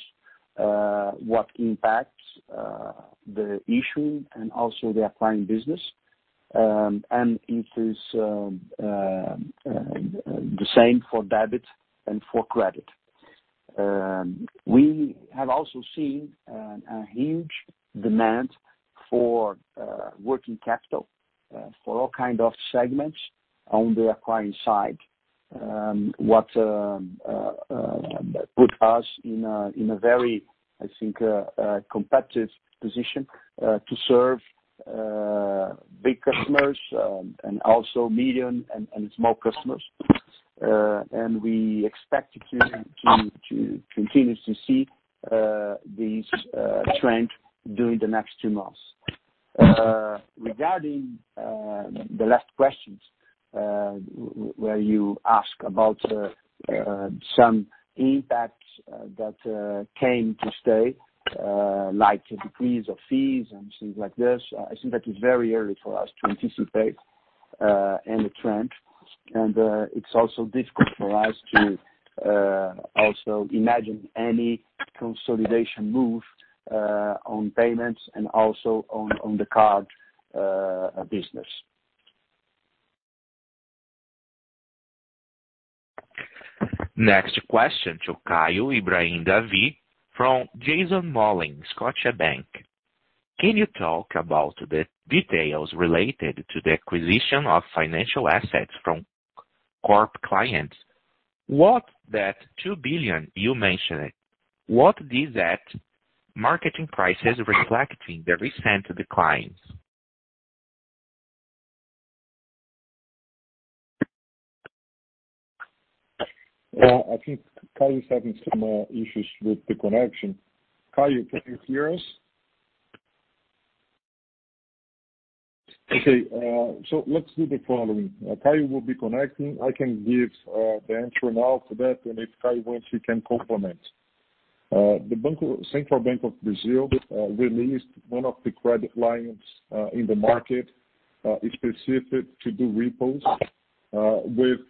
what impacts the issuing and also the acquiring business. And it is the same for debit and for credit. We have also seen a huge demand for working capital for all kinds of segments on the acquiring side, what put us in a very, I think, competitive position to serve big customers and also medium and small customers. And we expect to continue to see this trend during the next two months. Regarding the last questions where you asked about some impacts that came to stay, like the decrease of fees and things like this, I think that it's very early for us to anticipate any trend. And it's also difficult for us to also imagine any consolidation move on payments and also on the card business. Next question to Caio Ibrahim David from Jason Mollin, Scotiabank. Can you talk about the details related to the acquisition of financial assets from corp clients? What that 2 billion you mentioned, what did that market prices reflect in the recent declines? I think Caio is having some issues with the connection. Caio, can you hear us? Okay. So let's do the following. Caio will be connecting. I can give the answer now to that. And if Caio wants, he can complement. The Central Bank of Brazil released one of the credit lines in the market specific to do repos with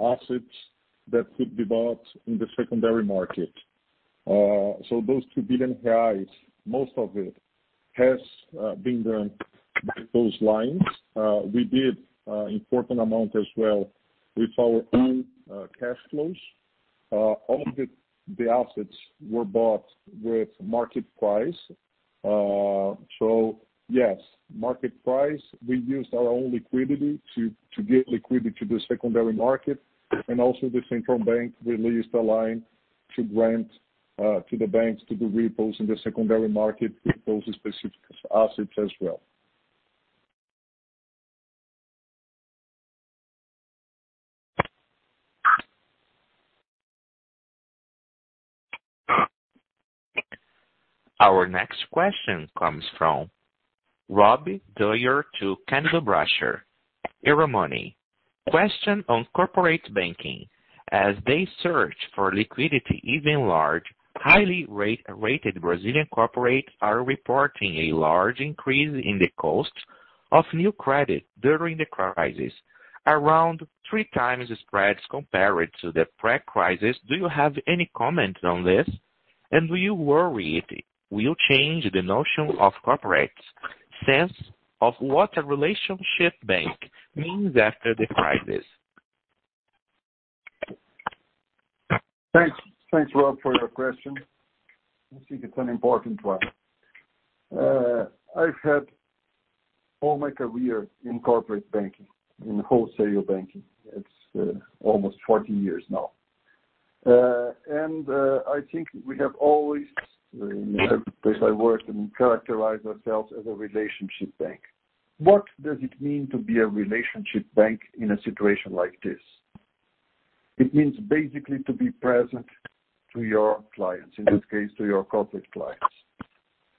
assets that could be bought in the secondary market. So those 2 billion reais, most of it has been done with those lines. We did an important amount as well with our own cash flows. All the assets were bought with market price. So yes, market price, we used our own liquidity to give liquidity to the secondary market. And also the Central Bank released a line to grant to the banks to do repos in the secondary market, repos specific assets as well. Our next question comes from Rob Dwyer to Candido Bracher, Euromoney. Question on corporate banking. As they search for liquidity, even large, highly rated Brazilian corporates are reporting a large increase in the cost of new credit during the crisis, around 3x spreads compared to the pre-crisis. Do you have any comments on this? And do you worry it will change the notion of corporates' sense of what a relationship bank means after the crisis? Thanks, Rob, for your question. I think it's an important one. I've had all my career in corporate banking, in wholesale banking. It's almost 40 years now. And I think we have always, in every place I worked, characterized ourselves as a relationship bank. What does it mean to be a relationship bank in a situation like this? It means basically to be present to your clients, in this case, to your corporate clients.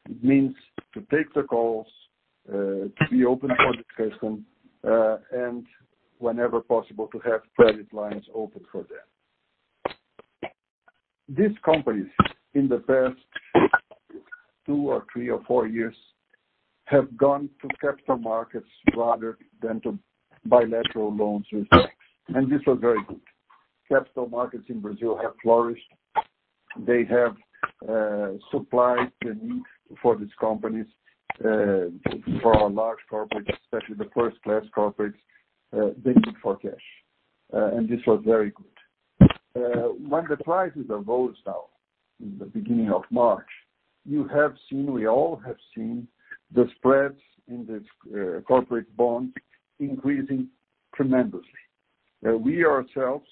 It means to take the calls, to be open for discussion, and whenever possible, to have credit lines open for them. These companies, in the past two or three or four years, have gone to capital markets rather than to bilateral loans with banks. And this was very good. Capital markets in Brazil have flourished. They have supplied the need for these companies for large corporates, especially the first-class corporates, the need for cash. And this was very good. When the prices of bonds now, in the beginning of March, you have seen, we all have seen, the spreads in these corporate bonds increasing tremendously. We ourselves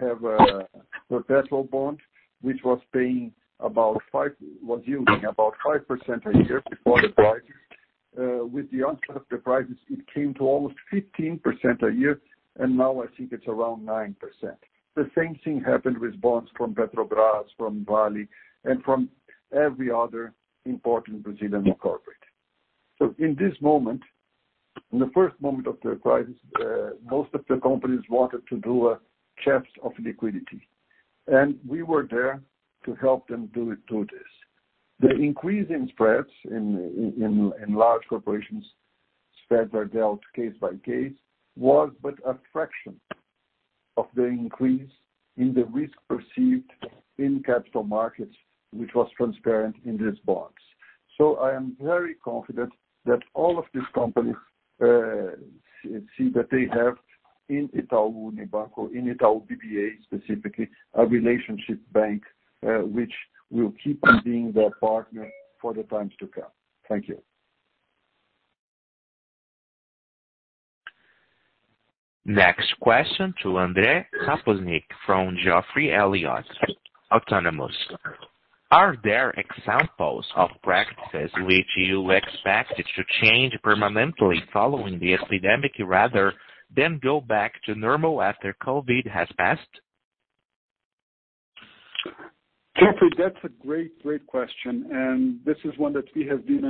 have a perpetual bond which was paying about 5%, was yielding about 5% a year before the crisis. With the onset of the crisis, it came to almost 15% a year. And now I think it's around 9%. The same thing happened with bonds from Petrobras, from Vale, and from every other important Brazilian corporate. So in this moment, in the first moment of the crisis, most of the companies wanted to do a test of liquidity. And we were there to help them do this. The increase in spreads in large corporations, spreads are dealt case by case, was but a fraction of the increase in the risk perceived in capital markets, which was transparent in these bonds. So I am very confident that all of these companies see that they have in Itaú Unibanco, in Itaú BBA specifically, a relationship bank which will keep on being their partner for the times to come. Thank you. Next question to André Sapoznik from Geoffrey Elliott, Autonomous. Are there examples of practices which you expect to change permanently following the epidemic rather than go back to normal after COVID has passed? Geoffrey, that's a great, great question. And this is one that we have been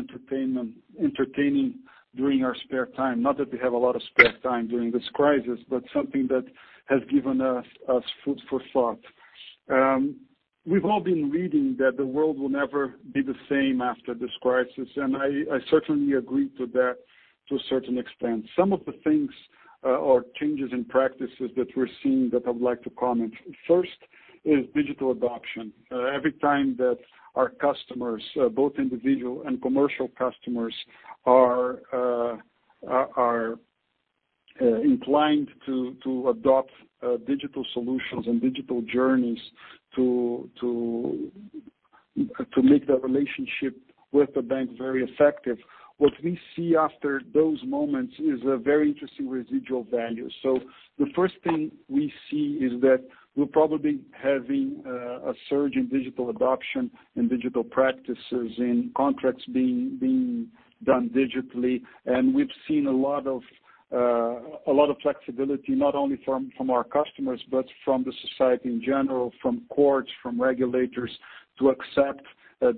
entertaining during our spare time, not that we have a lot of spare time during this crisis, but something that has given us food for thought. We've all been reading that the world will never be the same after this crisis. And I certainly agree to that to a certain extent. Some of the things or changes in practices that we're seeing that I would like to comment. First is digital adoption. Every time that our customers, both individual and commercial customers, are inclined to adopt digital solutions and digital journeys to make the relationship with the bank very effective, what we see after those moments is a very interesting residual value. The first thing we see is that we're probably having a surge in digital adoption and digital practices in contracts being done digitally. We've seen a lot of flexibility, not only from our customers, but from the society in general, from courts, from regulators, to accept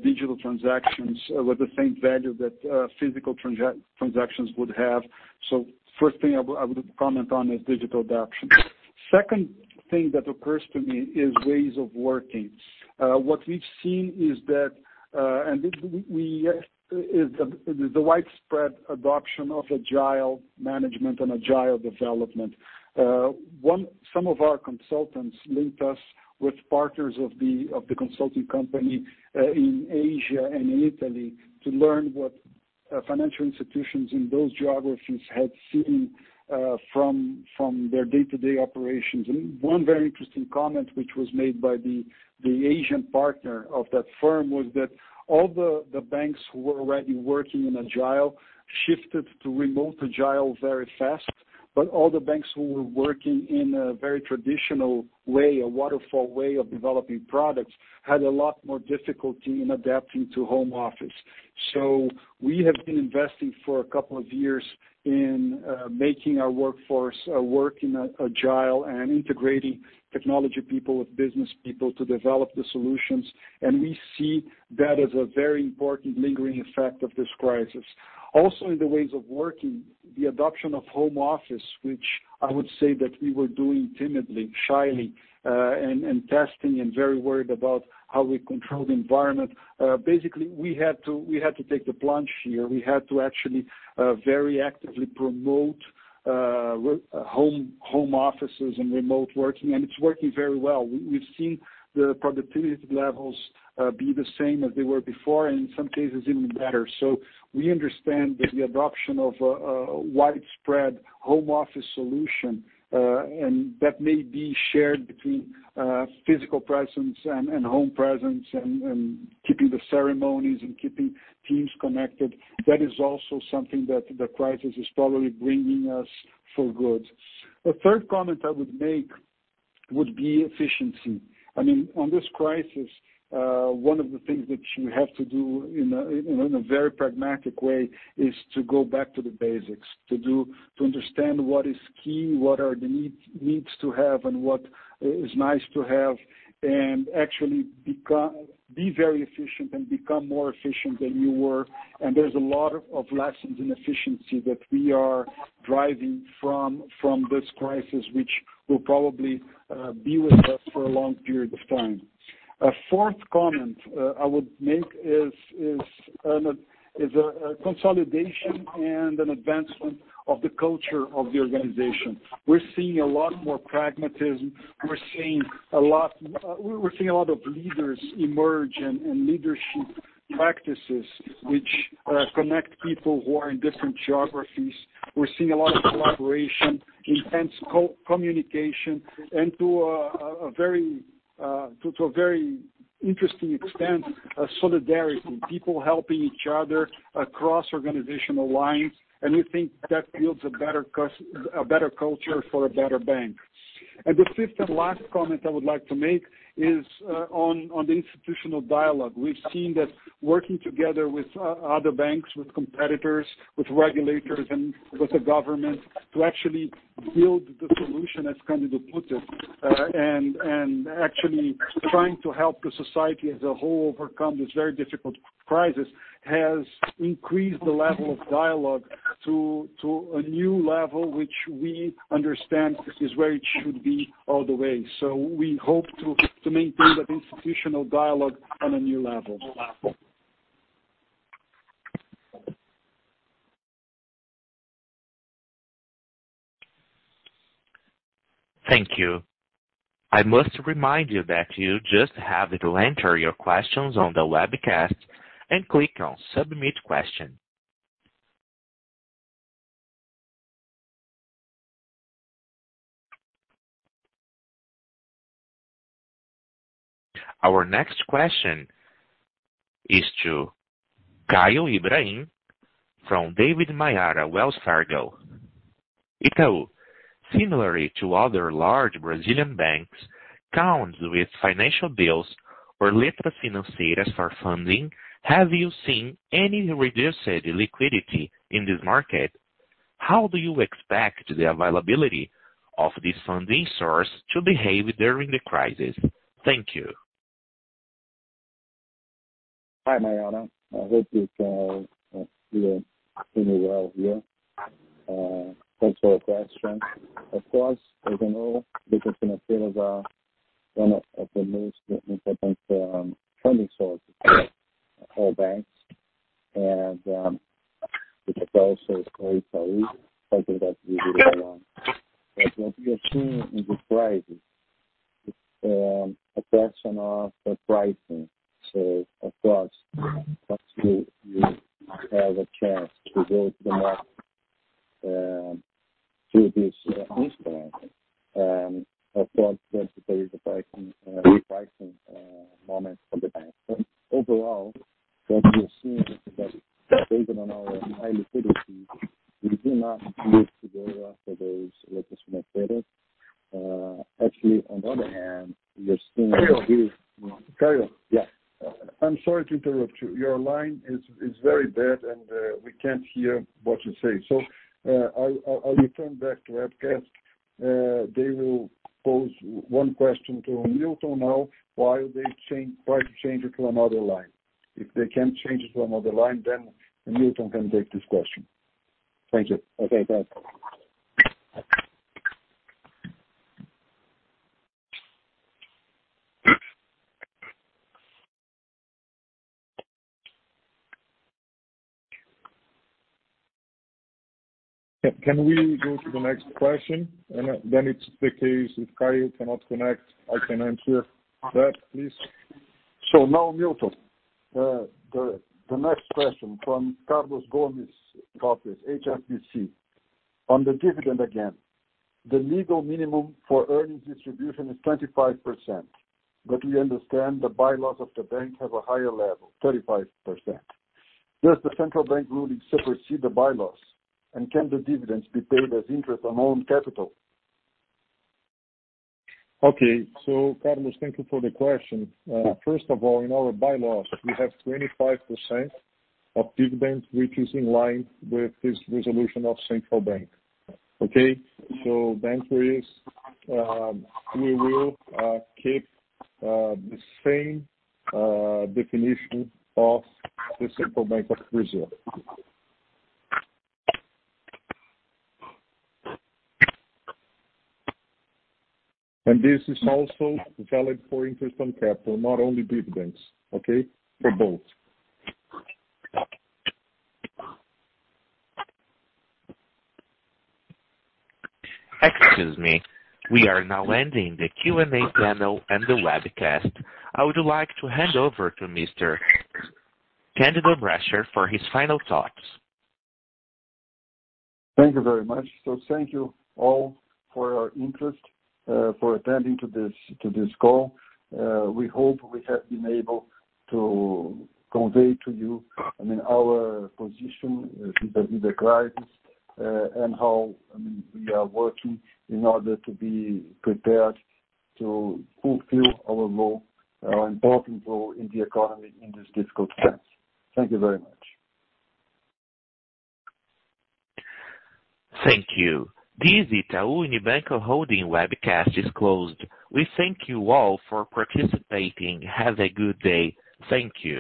digital transactions with the same value that physical transactions would have. The first thing I would comment on is digital adoption. The second thing that occurs to me is ways of working. What we've seen is that, and it's the widespread adoption of agile management and agile development. Some of our consultants linked us with partners of the consulting company in Asia and in Italy to learn what financial institutions in those geographies had seen from their day-to-day operations. One very interesting comment which was made by the Asian partner of that firm was that all the banks who were already working in Agile shifted to remote Agile very fast, but all the banks who were working in a very traditional way, a Waterfall way of developing products, had a lot more difficulty in adapting to home office, so we have been investing for a couple of years in making our workforce work in Agile and integrating technology people with business people to develop the solutions, and we see that as a very important lingering effect of this crisis. Also, in the ways of working, the adoption of home office, which I would say that we were doing timidly, shyly, and testing and very worried about how we control the environment, basically we had to take the plunge here. We had to actually very actively promote home offices and remote working, and it's working very well. We've seen the productivity levels be the same as they were before and in some cases even better. We understand that the adoption of a widespread home office solution, and that may be shared between physical presence and home presence and keeping the ceremonies and keeping teams connected, that is also something that the crisis is probably bringing us for good. A third comment I would make would be efficiency. I mean, in this crisis, one of the things that you have to do in a very pragmatic way is to go back to the basics, to understand what is key, what are the needs to have, and what is nice to have, and actually be very efficient and become more efficient than you were. And there's a lot of lessons in efficiency that we are driving from this crisis, which will probably be with us for a long period of time. A fourth comment I would make is a consolidation and an advancement of the culture of the organization. We're seeing a lot more pragmatism. We're seeing a lot of leaders emerge and leadership practices which connect people who are in different geographies. We're seeing a lot of collaboration, intense communication, and to a very interesting extent, solidarity, people helping each other across organizational lines. And we think that builds a better culture for a better bank. And the fifth and last comment I would like to make is on the institutional dialogue. We've seen that working together with other banks, with competitors, with regulators, and with the government to actually build the solution, as Candido put it, and actually trying to help the society as a whole overcome this very difficult crisis has increased the level of dialogue to a new level, which we understand is where it should be all the way. So we hope to maintain that institutional dialogue on a new level. Thank you. I must remind you that you just have to enter your questions on the webcast and click on Submit Question. Our next question is to Caio Ibrahim David from [Mariana Taddeo], Wells Fargo. Itaú Unibanco, similarly to other large Brazilian banks, counts with Financial Bills or Letras Financeiras for funding. Have you seen any reduced liquidity in this market? How do you expect the availability of this funding source to behave during the crisis? Thank you. Hi, Mariana. I hope you can hear me well here. Thanks for your question. Of course, as you know, Letras Financeiras is one of the most important funding sources for all banks. And it's also great to see something that you didn't know. But what you're seeing in this crisis is a question of pricing. Of course, you have a chance to go to the market through this instrument. Of course, there is a pricing moment for the banks. But overall, what you're seeing is that, based on our high liquidity, we do not need to go after those Letras Financeiras. Actually, on the other hand, you're seeing a really - Caio. Caio. Yeah. I'm sorry to interrupt you. Your line is very bad, and we can't hear what you're saying. So I'll return back to the webcast. They will pose one question to Milton now, why they try to change it to another line. If they can change it to another line, then Milton can take this question. Thank you. Okay. Thanks. Can we go to the next question? And then it's the case if Caio cannot connect, I can answer that, please. So now, Milton, the next question from Carlos Gomez-Lopez, HSBC. On the dividend again, the legal minimum for earnings distribution is 25%. But we understand the bylaws of the bank have a higher level, 35%. Does the central bank ruling supersede the bylaws? And can the dividends be paid as interest on own capital? Okay. So, Carlos, thank you for the question. First of all, in our bylaws, we have 25% of dividends which is in line with this resolution of the central bank. Okay? So the answer is we will keep the same definition of the Central Bank of Brazil. And this is also valid for interest on capital, not only dividends. Okay? For both. Excuse me. We are now ending the Q&A panel and the webcast. I would like to hand over to Mr. Candido Bracher for his final thoughts. Thank you very much. So thank you all for your interest, for attending to this call. We hope we have been able to convey to you, I mean, our position in the crisis and how we are working in order to be prepared to fulfill our role, our important role in the economy in this difficult time. Thank you very much. Thank you. This Itaú Unibanco Holding webcast is closed. We thank you all for participating. Have a good day. Thank you.